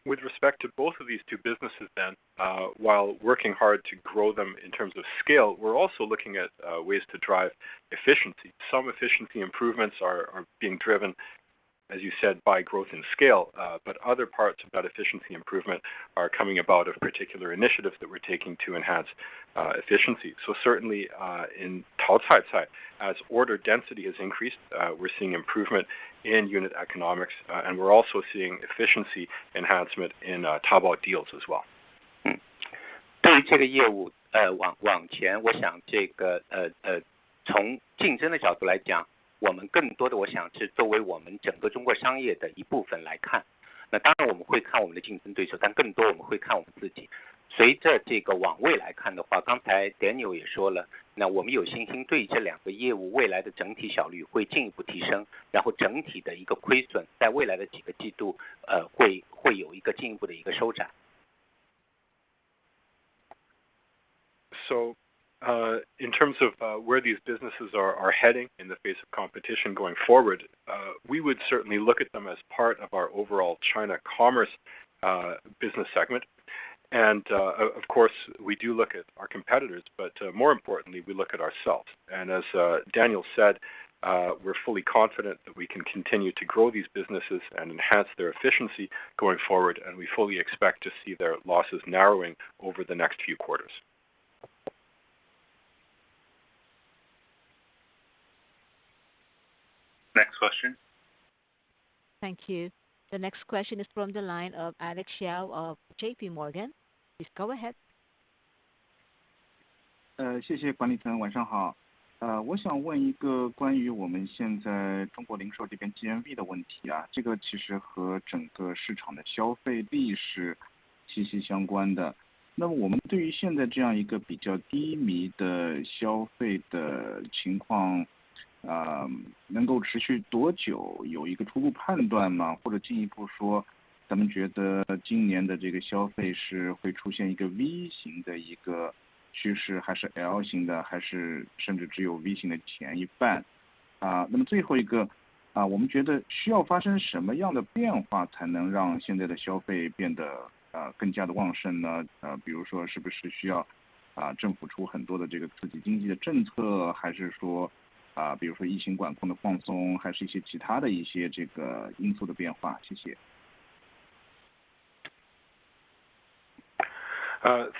With respect to both of these two businesses, while working hard to grow them in terms of scale, we're also looking at ways to drive efficiency. Some efficiency improvements are being driven, as you said, by growth in scale, but other parts about efficiency improvement are coming from particular initiatives that we're taking to enhance efficiency. Certainly, in Taocaicai as order density has increased, we're seeing improvement in unit economics, and we're also seeing efficiency enhancement in Taobao Deals as well. In terms of where these businesses are heading in the face of competition going forward, we would certainly look at them as part of our overall China Commerce business segment. Of course, we do look at our competitors, but more importantly, we look at ourselves. As Daniel said, we're fully confident that we can continue to grow these businesses and enhance their efficiency going forward, and we fully expect to see their losses narrowing over the next few quarters. Next question. Thank you. The next question is from the line of Alex Xiao of JPMorgan. Please go ahead.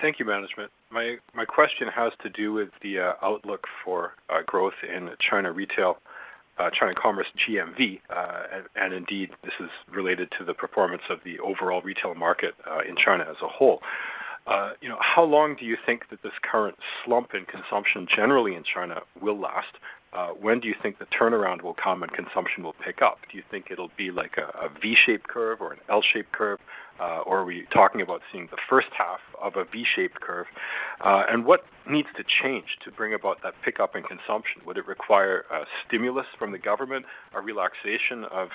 Thank you, management. My question has to do with the outlook for a growth in China retail China commerce GMV. Indeed, this is related to the performance of the overall retail market in China as a whole. You know, how long do you think that this current slump in consumption generally in China will last? When do you think the turnaround will come and consumption will pick up? Do you think it will be like a V-shaped curve or an L-shaped curve? Are we talking about seeing the first half of a V-shaped curve? What needs to change to bring about that pickup in consumption? Would it require a stimulus from the government, a relaxation of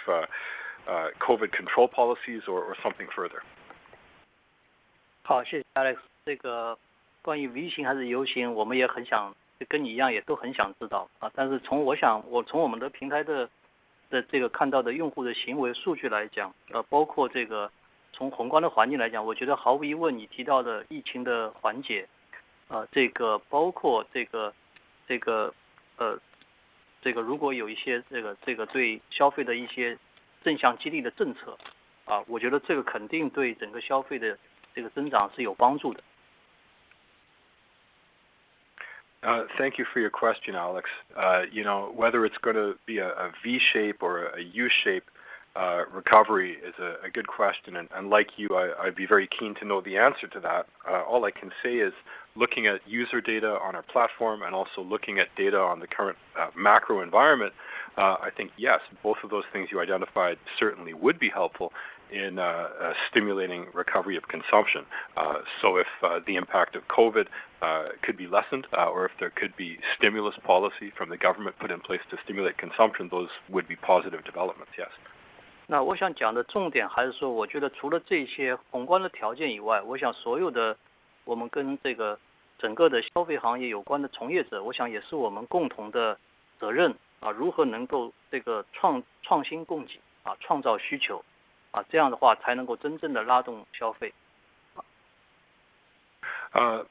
COVID control policies or something further? Thank you for your question, Alex. You know whether it's gonna be a V shape or a U shape recovery is a good question. Like you, I'd be very keen to know the answer to that. All I can say is looking at user data on our platform and also looking at data on the current macro environment. I think yes, both of those things you identified certainly would be helpful in stimulating recovery of consumption. If the impact of COVID could be lessened, or if there could be stimulus policy from the government put in place to stimulate consumption, those would be positive developments, yes. 那我想讲的重点还是说，我觉得除了这些宏观的条件以外，我想所有的我们跟这个整个的消费行业有关的从业者，我想也是我们共同的责任啊，如何能够创新供给啊，创造需求啊，这样的话才能够真正地拉动消费。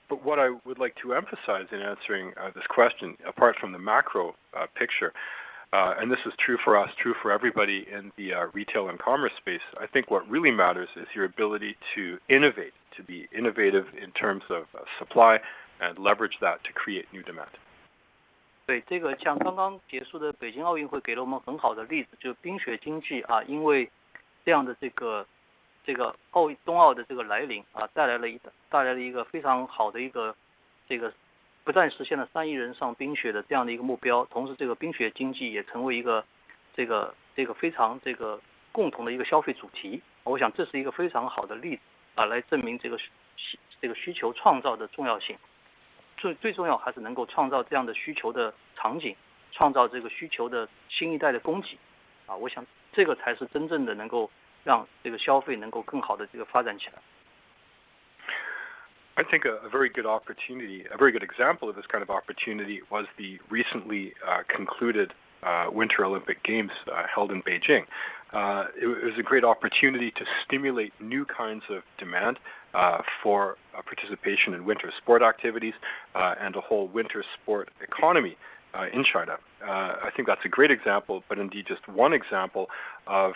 What I would like to emphasize in answering this question apart from the macro picture and this is true for us, true for everybody in the retail and commerce space. I think what really matters is your ability to innovate, to be innovative in terms of supply and leverage that to create new demand. I think a very good opportunity, a very good example of this kind of opportunity was the recently concluded Winter Olympic Games held in Beijing. It is a great opportunity to stimulate new kinds of demand for participation in winter sport activities and the whole winter sport economy in China. I think that's a great example. Indeed, just one example of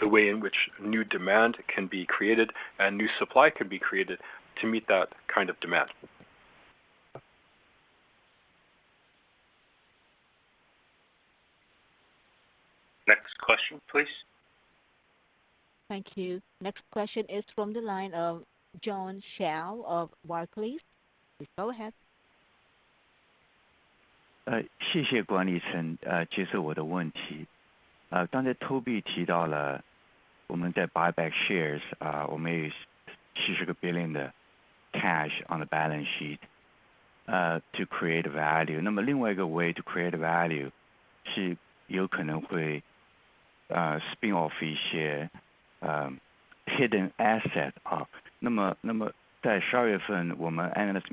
the way in which new demand can be created and new supply can be created to meet that kind of demand. Next question, please. Thank you. Next question is from the line of John Xiao of Barclays. Please go ahead. 谢谢管理层接受我的问题。刚才Toby提到了我们在buy back shares，我们有$70 billion的cash on the balance sheet to create value。那么另外一个way to create value，是有可能会spin off一些hidden asset。那么，在十二月份我们analyst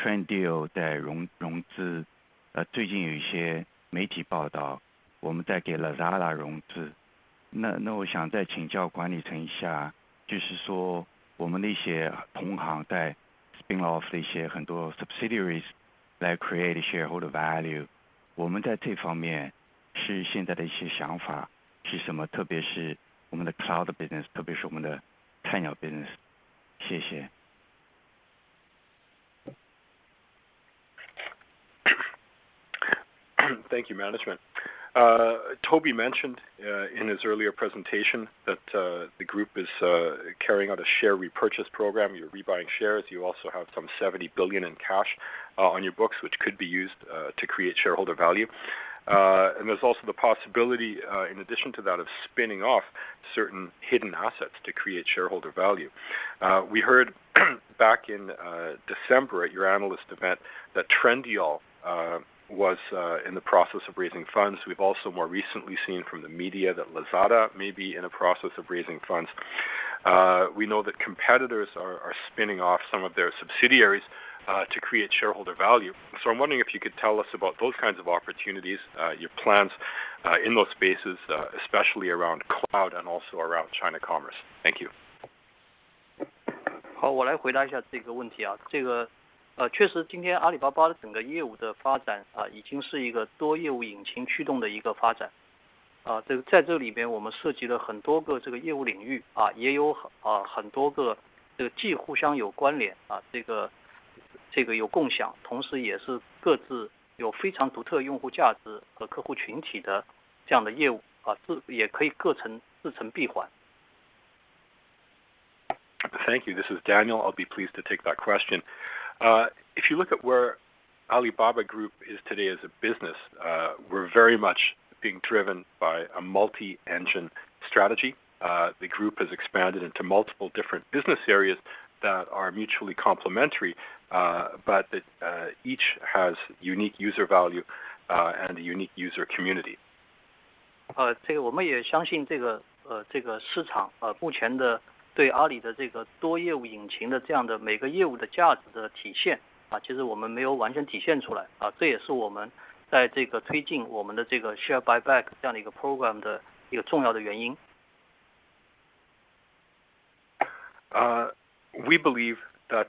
meeting也提到了，我们在给Trendyol在融资。最近有一些媒体报道我们在给Lazada融资。那，我想再请教管理层一下，就是说我们那些同行在spin off了一些很多subsidiaries来create shareholder value，我们在这方面现在的一些想法是什么？特别是我们的cloud business，特别是我们的菜鸟business。谢谢。Thank you, management. Toby mentioned in his earlier presentation that the group is carrying out a share repurchase program. You're buying shares. You also have some $70 billion in cash on your books, which could be used to create shareholder value. There's also the possibility, in addition to that, of spinning off certain hidden assets to create shareholder value. We heard back in December at your analyst event that Trendyol was in the process of raising funds. We've also more recently seen from the media that Lazada may be in a process of raising funds. We know that competitors are spinning off some of their subsidiaries to create shareholder value. I'm wondering if you could tell us about those kinds of opportunities, your plans in those spaces, especially around cloud and also around China commerce. Thank you. 好，我来回答一下这个问题。这个确实，今天阿里巴巴整个业务的发展，已经是一个多业务引擎驱动的发展。在这里边我们涉及了很多个业务领域，也有很多个既互相有关联，有共享，同时也是各自有非常独特用户价值和客户群体的这样的业务，也可以各自成闭环。Thank you. This is Daniel. I'll be pleased to take that question. If you look at where Alibaba Group is today as a business, we're very much being driven by a multi-engine strategy. The group has expanded into multiple different business areas that are mutually complementary, but that each has unique user value and a unique user community. 这个我们也相信，这个市场啊目前的对阿里的这个多业务引擎的这样的每个业务的价值的体现，啊其实我们没有完全体现出来，啊这也是我们在这个推进我们的这个share buyback这样的一个program的一个重要的原因。We believe that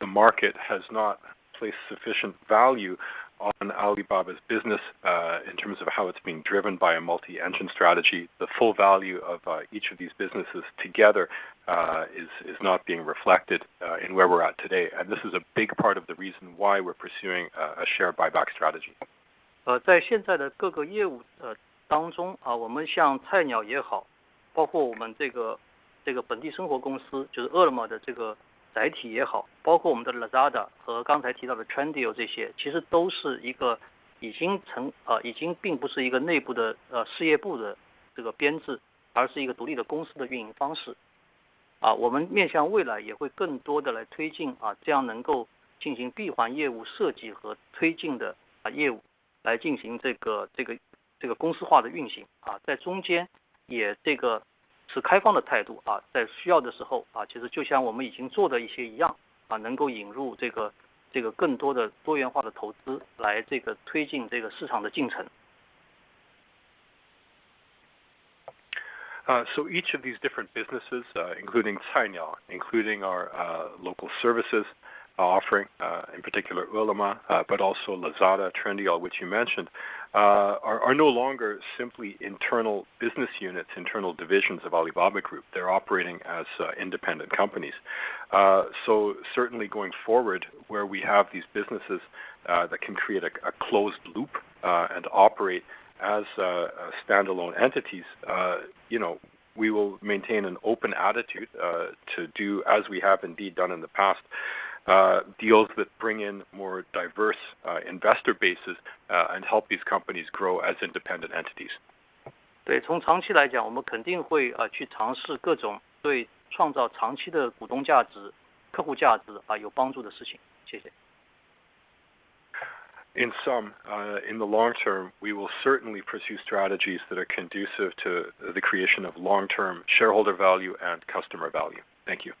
the market has not placed sufficient value on Alibaba's business in terms of how it's being driven by a multi engine strategy. The full value of each of these businesses together is not being reflected in where we're at today, and this is a big part of the reason why we're pursuing a share buyback strategy. 已经并不是一个内部的事业部的编制，而是一个独立的公司的运营方式。我们面向未来也会更多地来推进这样能够进行闭环业务设计和推进的业务来进行公司化的运行，在中间也持开放的态度，在需要的时候，其实就像我们已经做的一些一样，能够引入更多的多元化的投资来推进这个市场的进程。Each of these different businesses, including Cainiao, including our local services offering, in particular Ele.me, but also Lazada, Trendyol, which you mentioned, are no longer simply internal business units, internal divisions of Alibaba Group. They're operating as independent companies. Certainly going forward where we have these businesses that can create a closed loop and operate as standalone entities. You know we will maintain an open attitude to do as we have indeed done in the past deals that bring in more diverse investor bases and help these companies grow as independent entities. 对，从长期来讲，我们肯定会去尝试各种对创造长期的股东价值、客户价值有帮助的事情。谢谢。In the long term, we will certainly pursue strategies that are conducive to the creation of long-term shareholder value and customer value. Thank you.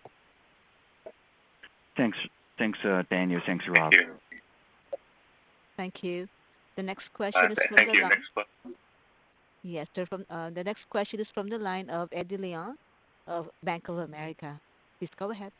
Thanks. Thanks Daniel, thanks Robert. Thank you. Thank you. The next question- Thank you. The next question is from the line of Eddie Liang of Bank of America. Please go ahead.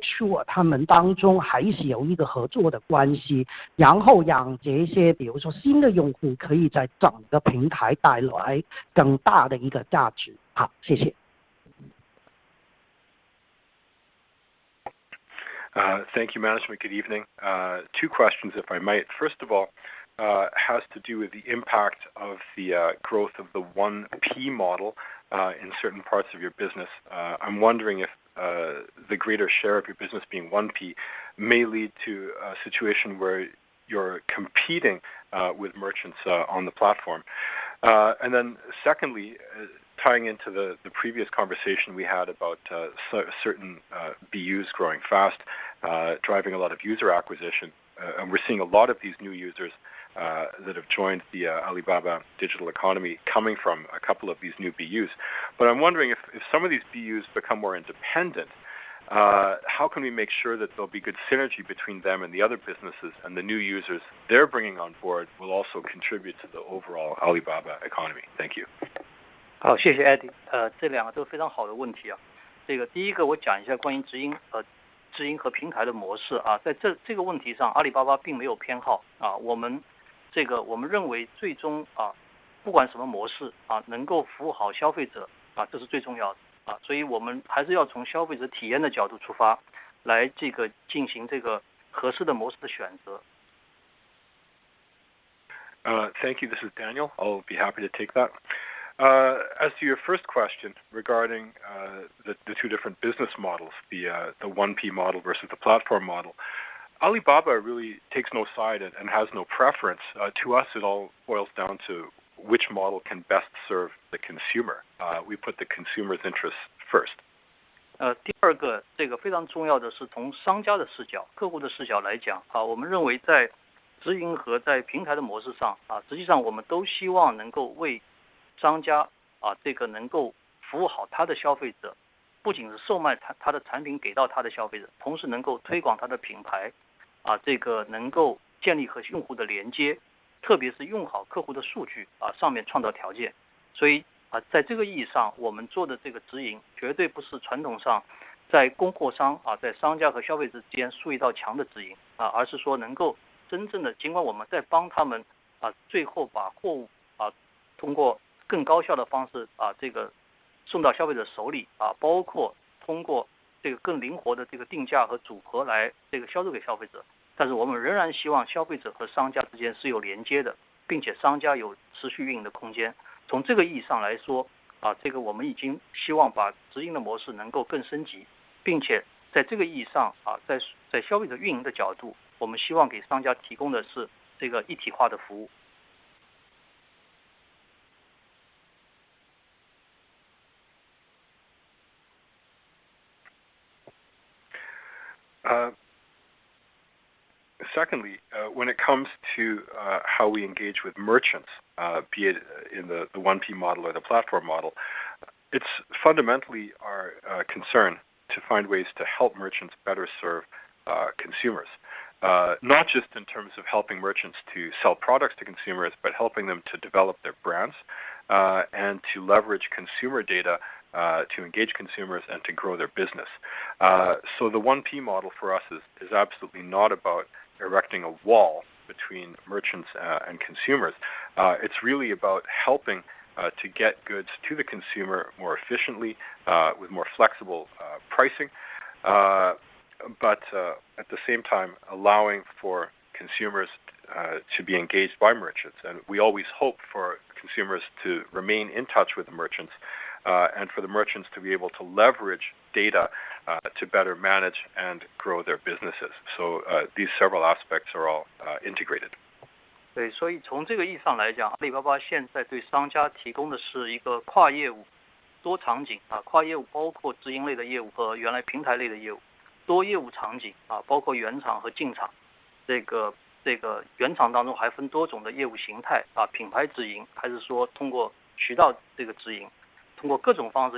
sure他们当中还是有一个合作的关系，然后让这些比如说新的用户可以在整个平台带来更大的一个价值。好，谢谢。Thank you, management. Good evening. Two questions, if I might. First of all, has to do with the impact of the growth of the 1P model in certain parts of your business. I'm wondering if the greater share of your business being 1P may lead to a situation where you're competing with merchants on the platform. Secondly, tying into the previous conversation we had about certain BUs growing fast, driving a lot of user acquisition. We're seeing a lot of these new users that have joined the Alibaba digital economy coming from a couple of these new BUs. I'm wondering if some of these BUs become more independent, how can we make sure that there'll be good synergy between them and the other businesses and the new users they're bringing on board will also contribute to the overall Alibaba economy? Thank you. 谢谢Eddie。这两个都是非常好的问题啊。第一个我讲一下关于直营和平台的模式啊。在这个问题上，阿里巴巴并没有偏好啊，我们认为最终啊，不管什么模式啊，能够服务好消费者啊，这是最重要的啊。所以我们还是要从消费者体验的角度出发，来进行合适的模式的选择。Thank you. This is Daniel Zhang. I'll be happy to take that. As to your first question regarding the two different business models, the 1P model versus the platform model. Alibaba really takes no side and has no preference. To us, it all boils down to which model can best serve the consumer. We put the consumer's interests first. Secondly, when it comes to how we engage with merchants, be it in the 1P model or the platform model, it's fundamentally our concern to find ways to help merchants better serve consumers, not just in terms of helping merchants to sell products to consumers, but helping them to develop their brands and to leverage consumer data to engage consumers and to grow their business. The 1P model for us is absolutely not about erecting a wall between merchants and consumers. It's really about helping to get goods to the consumer more efficiently with more flexible pricing, but at the same time, allowing for consumers to be engaged by merchants. We always hope for consumers to remain in touch with the merchants and for the merchants to be able to leverage data to better manage and grow their businesses. These several aspects are all integrated. 对，所以从这个意义上来讲，阿里巴巴现在对商家提供的是一个跨业务、多场景，跨业务包括直营类的业务和原来平台类的业务。多业务场景啊，包括原厂和进厂，这个原厂当中还分多种的业务形态，品牌直营，还是说通过渠道这个直营，通过各种方式一揽子帮助他们来服务好消费者，运营好消费者的这样一种解决方案。What Alibaba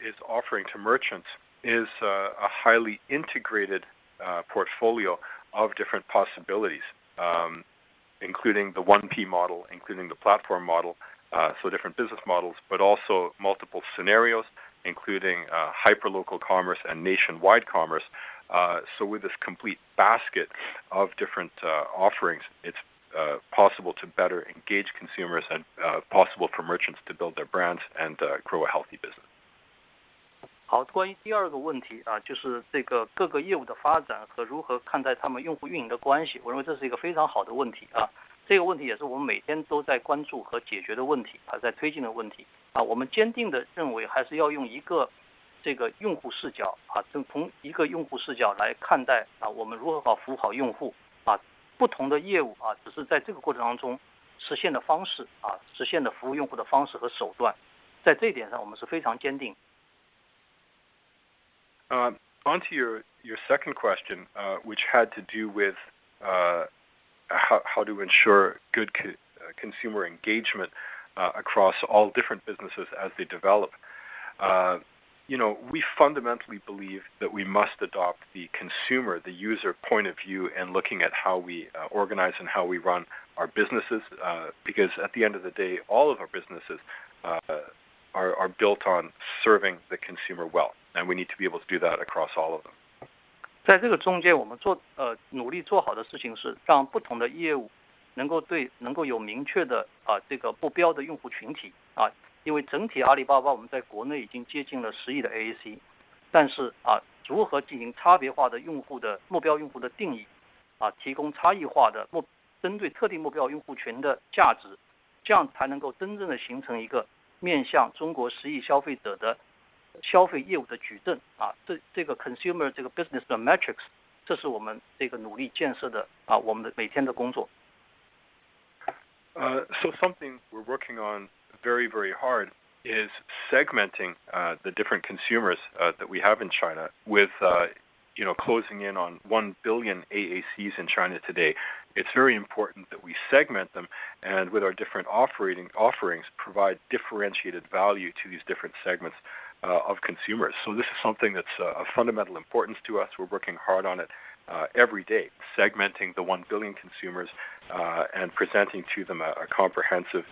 is offering to merchants is a highly integrated portfolio of different possibilities, including the 1P model, including the platform model, so different business models, but also multiple scenarios, including hyperlocal commerce and nationwide commerce. With this complete basket of different offerings, it's possible to better engage consumers and possible for merchants to build their brands and grow a healthy business. 好，关于第二个问题啊，就是这个各个业务的发展和如何看待他们用户运营的关系，我认为这是一个非常好的问题啊。这个问题也是我们每天都在关注和解决的问题，在推进的问题。我们坚定地认为还是要用一个这个用户视角，从一个用户视角来看待我们如何把服务好用户。不同的业务啊，只是在这个过程当中实现的方式，实现的服务用户的方式和手段。在这一点上我们是非常坚定。On to your second question, which had to do with how to ensure good consumer engagement across all different businesses as they develop. You know, we fundamentally believe that we must adopt the consumer, the user point of view, and looking at how we organize and how we run our businesses, because at the end of the day, all of our businesses are built on serving the consumer well, and we need to be able to do that across all of them. 在这个中间，我们努力做好的事情是让不同的业务能够有明确的目标用户群体。因为整体阿里巴巴我们在国内已经接近了十亿的AAC，但是如何进行差别化的用户、目标用户的定义，提供差异化的、针对特定目标用户群的价值，这样才能够真正地形成一个面向中国十亿消费者的消费业务的矩阵。这个consumer business matrix，这是我们努力建设的，我们每天的工作。Something we're working on very very hard is segmenting the different consumers that we have in China with, you know, closing in on 1 billion AACs in China today. It's very important that we segment them and with our different operating offerings provide differentiated value to these different segments of consumers. This is something that's a fundamental importance to us. We're working hard on it every day. Segmenting the one billion consumers and presenting to them a comprehensive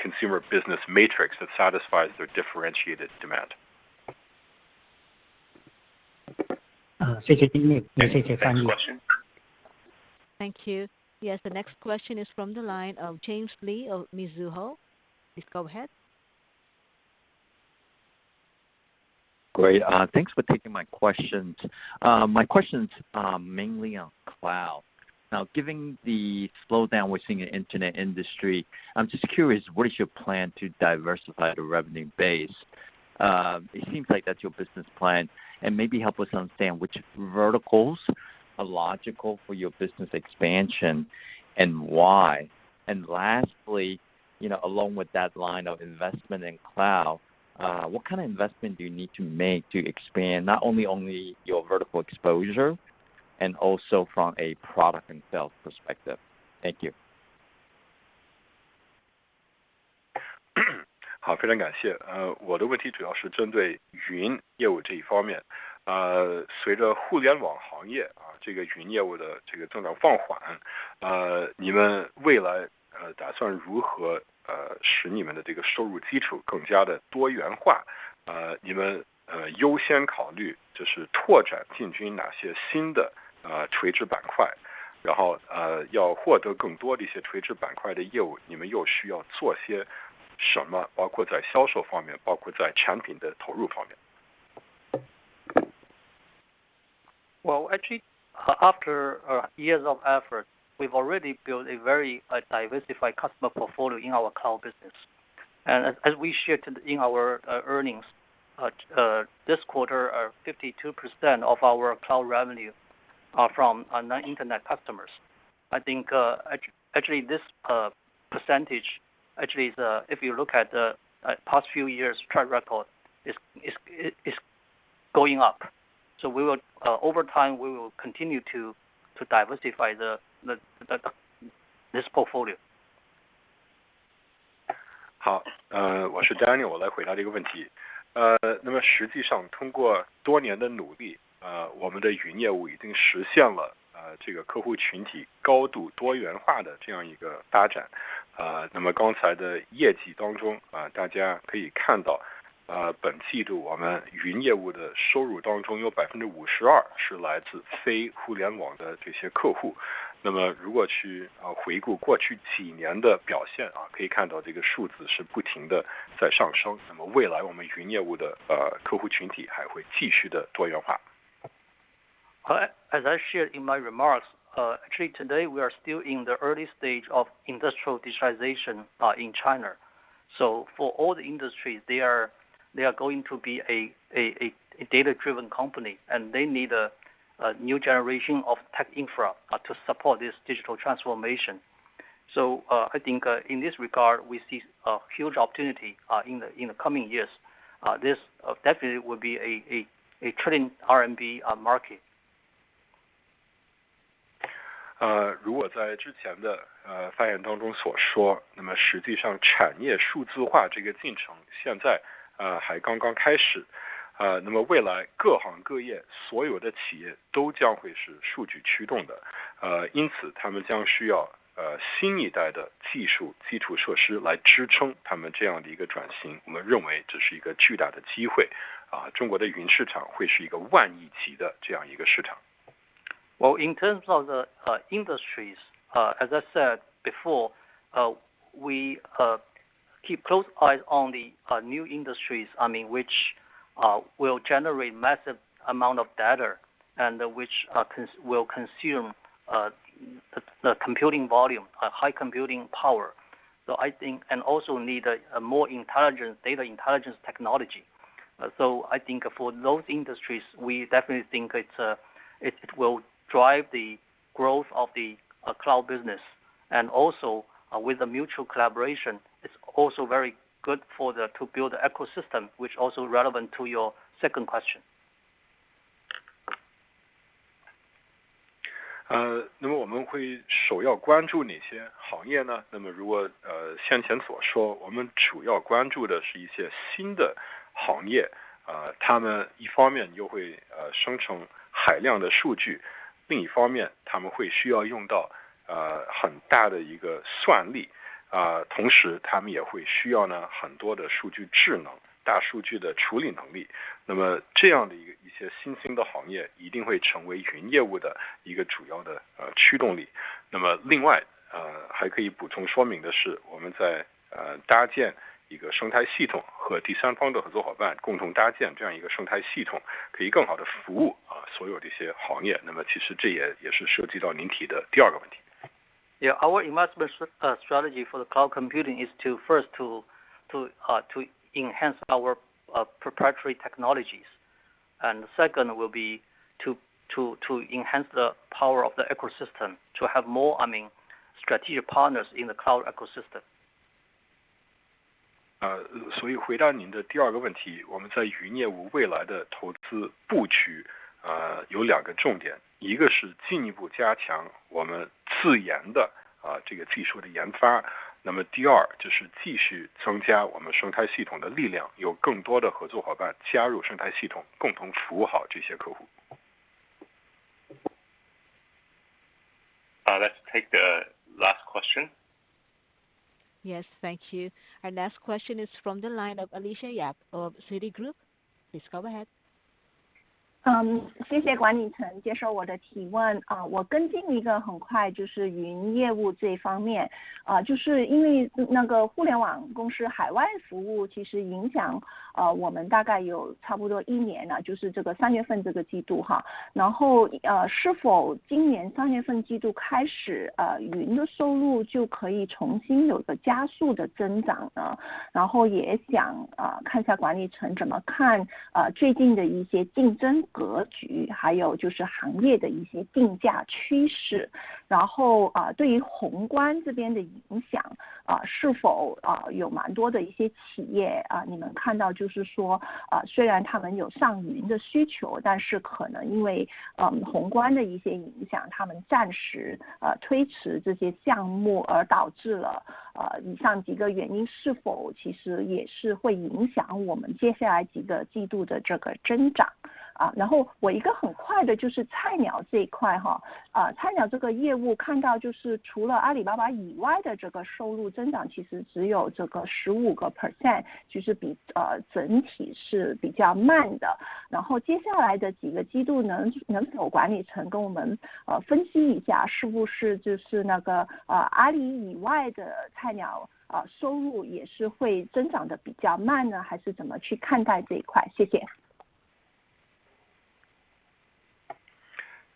consumer business matrix that satisfies their differentiated demand. 谢谢经理。谢谢丹尼尔。Thank you. Yes, the next question is from the line of James Lee of Mizuho. Please go ahead. Great, thanks for taking my questions. My question mainly on cloud. Now, given the slowdown we're seeing in internet industry, I'm just curious what's the plan to diversify the revenue base? It seems like that's your business plan and maybe help us understand which verticals are logical for your business expansion and why. Lastly, you know, along with that line of investment in cloud, what kind of investment do you need to make to expand not only your vertical exposure and also from a product and sales perspective. Thank you. 好，非常感谢。我的问题主要是针对云业务这一方面。随着互联网行业这个云业务的增长放缓，你们未来打算如何使你们的收入基础更加多元化？你们优先考虑就是拓展进军哪些新的垂直板块，然后要获得更多的一些垂直板块的业务，你们又需要做些什么？包括在销售方面，包括在产品的投入方面。Well, actually after years of effort, we've already built a very diversified customer portfolio in our cloud business. As we shared in our earnings this quarter, 52% of our cloud revenue are from internet customers. I think actually this percentage actually if you look at the past few years track record is going up. We will over time continue to diversify this portfolio. 好，我是Daniel，我来回答这个问题。那么实际上通过多年的努力，我们的云业务已经实现了这个客户群体高度多元化的这样一个发展。那么刚才的业绩当中，大家可以看到，本季度我们云业务的收入当中有52%是来自非互联网的这些客户。那么如果去回顾过去几年的表现，可以看到这个数字是不停地在上升，那么未来我们云业务的客户群体还会继续地多元化。As I share in my remarks today, we are still in the early stage of industrial digitalization in China. For all the industries they are going to be a data driven company and they need a new generation of tech infra to support this digital transformation. I think in this regard we see a huge opportunity in the coming years. This definitely will be a CNY 1 trillion market. 如我在之前的发言当中所说，那么实际上产业数字化这个进程现在还刚刚开始，那么未来各行各业所有的企业都将会是数据驱动的，因此他们将需要新一代的技术基础设施来支撑他们这样的一个转型。我们认为这是一个巨大的机会，中国的云市场会是一个万亿级的这样一个市场。Well, in terms of the industries as I said before, we are keeping a close eye on the new industries. I mean which will generate massive amounts of data and which will consume high volumes of computing power. I think and also need more intelligent data intelligence technology. I think for those industries we definitely think it will drive the growth of the cloud business and also with the mutual collaboration is also very good for us to build ecosystem, which is also relevant to your second question. 那么我们会首要关注哪些行业呢？那么如先前所说，我们主要关注的是一些新的行业，他们一方面就会生成海量的数据。Yeah, our investment strategy for cloud computing is first to enhance our proprietary technologies. Second will be to enhance the power of the ecosystem to have more, I mean, strategic partners in the cloud ecosystem. 回答您的第二个问题，我们在云业务未来的投资布局，有两个重点，一个是进一步加强我们自研的这个技术的研发。那么第二就是继续增加我们生态系统的力量，有更多的合作伙伴加入生态系统，共同服务好这些客户。Let's take the last question. Yes, thank you. Our last question is from the line of Alicia Yap of Citigroup. Please go ahead.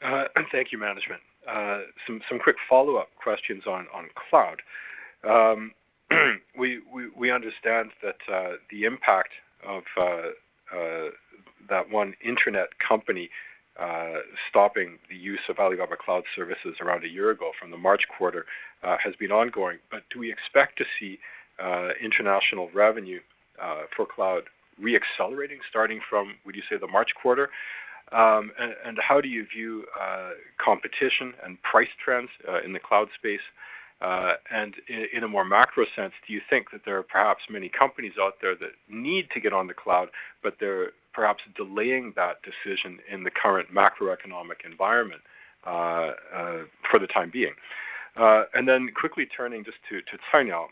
Thank you management. Some quick follow-up questions on cloud. We understand that the impact of that one Internet company stopping the use of Alibaba Cloud services around a year ago from the March quarter has been ongoing, but we expect to see international revenue for cloud accelerating starting from, would you say, the March quarter? How do you view competition and price trends in the cloud space? In a more macro sense, do you think that there are perhaps many companies out there that need to get on the cloud but they are perhaps delaying that decision in the current macroeconomic environment, for the time being. Quickly turning just to Cainiao,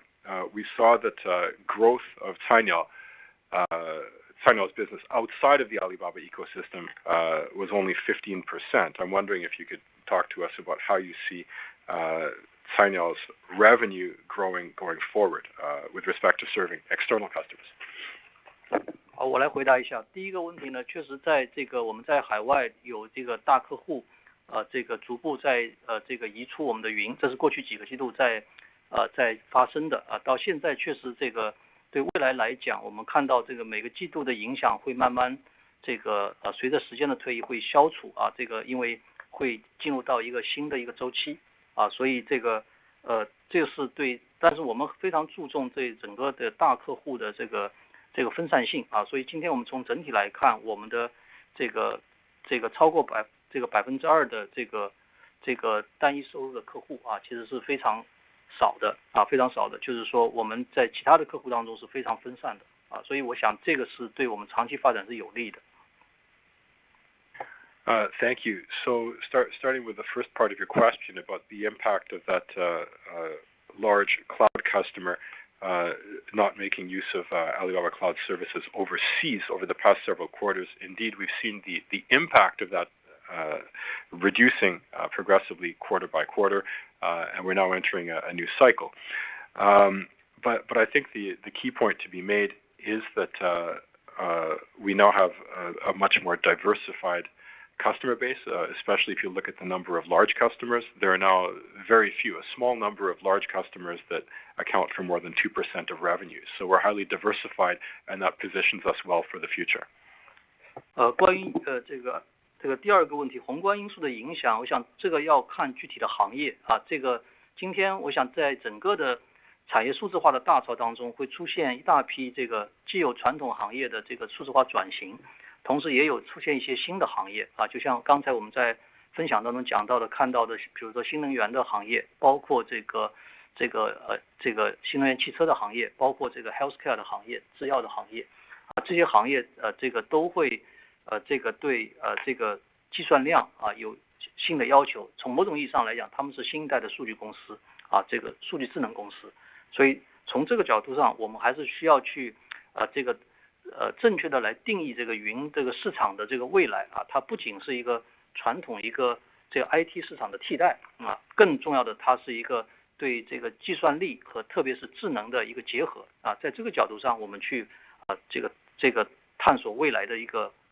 we saw that growth of Cainiao business outside of the Alibaba ecosystem was only 15%. I'm wondering if you could talk to us about how you see Cainiao's revenue growing going forward with respect to serving external customers. Thank you. Starting with the first part of your question about the impact of that large cloud customer not making use of Alibaba Cloud services overseas over the past several quarters. Indeed, we've seen the impact of that reducing progressively quarter by quarter, and we're now entering a new cycle. I think the key point to be made is that we now have a much more diversified customer base, especially if you look at the number of large customers, there are now very few, a small number of large customers that account for more than 2% of revenues. We're highly diversified and that positions us well for the future.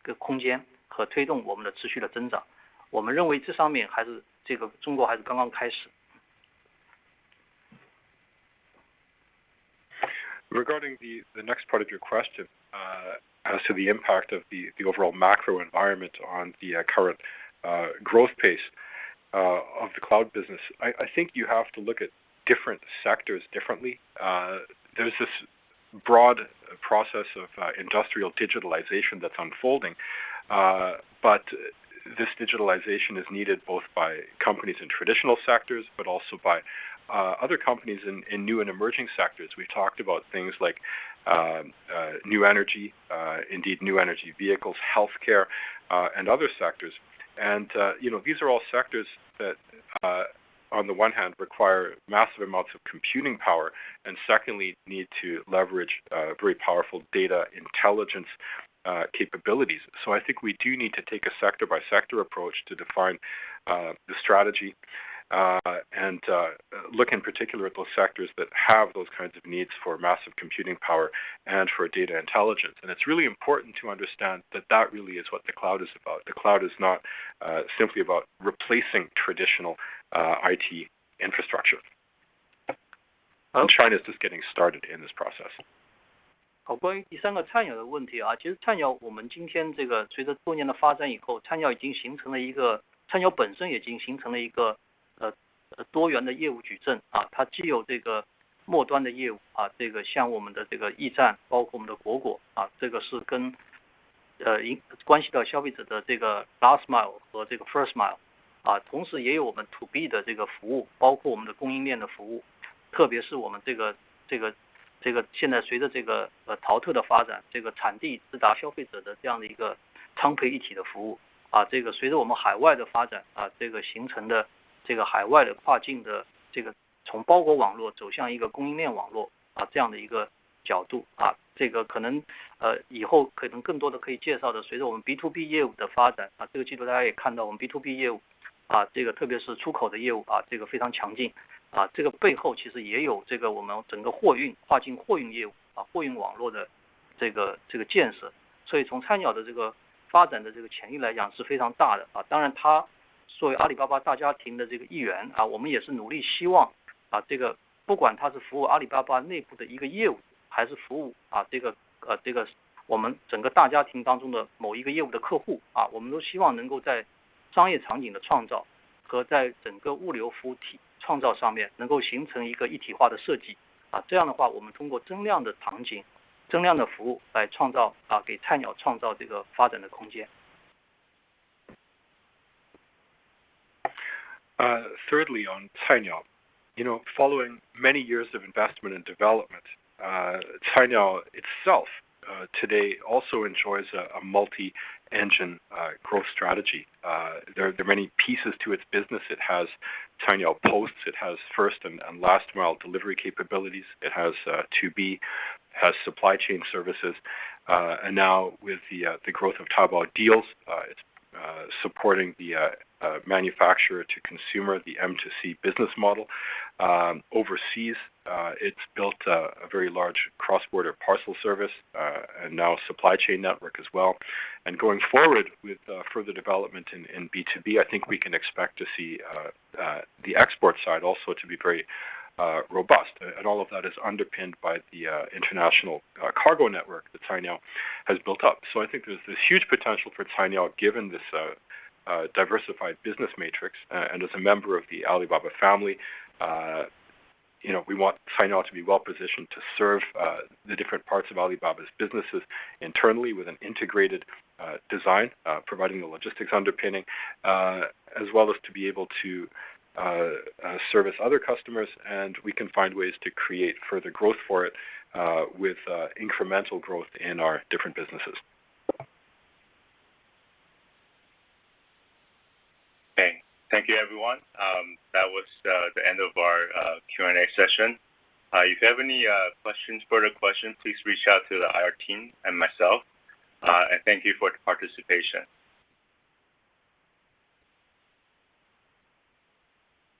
Regarding the next part of your question, as to the impact of the overall macro environment on the current growth pace of the cloud business, I think you have to look at different sectors differently. There is this broad process of industrial digitalization that's unfolding. This digitalization is needed both by companies in traditional sectors, but also by other companies in new and emerging sectors. We talked about things like new energy, indeed new energy vehicles, healthcare, and other sectors. You know, these are all sectors that on the one hand require massive amounts of computing power, and secondly, need to leverage very powerful data intelligence capabilities. I think we do need to take a sector-by-sector approach to define the strategy and look in particular at those sectors that have those kinds of needs for massive computing power and for data intelligence. It's really important to understand that that really is what the cloud is about. The cloud is not simply about replacing traditional IT infrastructure. China is just getting started in this process. 关于第三个菜鸟的问题。其实菜鸟今天随着多年的发展以后，菜鸟已经形成了一个——菜鸟本身已经形成了一个多元的业务矩阵。它既有这个末端的业务，像我们的驿站，包括我们的裹裹，这个是关系到消费者的Last Mile和First Mile。同时也有我们To Thirdly, on Cainiao. You know, following many years of investment and development, Cainiao itself today also enjoys a multi-engine growth strategy. There are many pieces to its business. It has Cainiao Post, it has first and last mile delivery capabilities. It has B2B, it has supply chain services. And now with the growth of Taobao Deals, it's supporting the manufacturer to consumer, the M2C business model. Overseas, it's built a very large cross-border parcel service and now supply chain network as well. Going forward with further development in B2B, I think we can expect to see the export side also to be very robust. All of that is underpinned by the international cargo network that Cainiao has built up. I think there's this huge potential for Cainiao given this diversified business matrix. As a member of the Alibaba family, you know, we want Cainiao to be well-positioned to serve the different parts of Alibaba's businesses internally with an integrated design providing the logistics underpinning, as well as to be able to service other customers, and we can find ways to create further growth for it with incremental growth in our different businesses. Okay. Thank you, everyone. That was the end of our Q&A session. If you have any questions, further questions, please reach out to the IR team and myself. Thank you for the participation.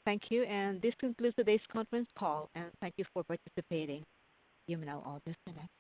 Thank you. This concludes today's conference call and thank you for participating. You may now all disconnect.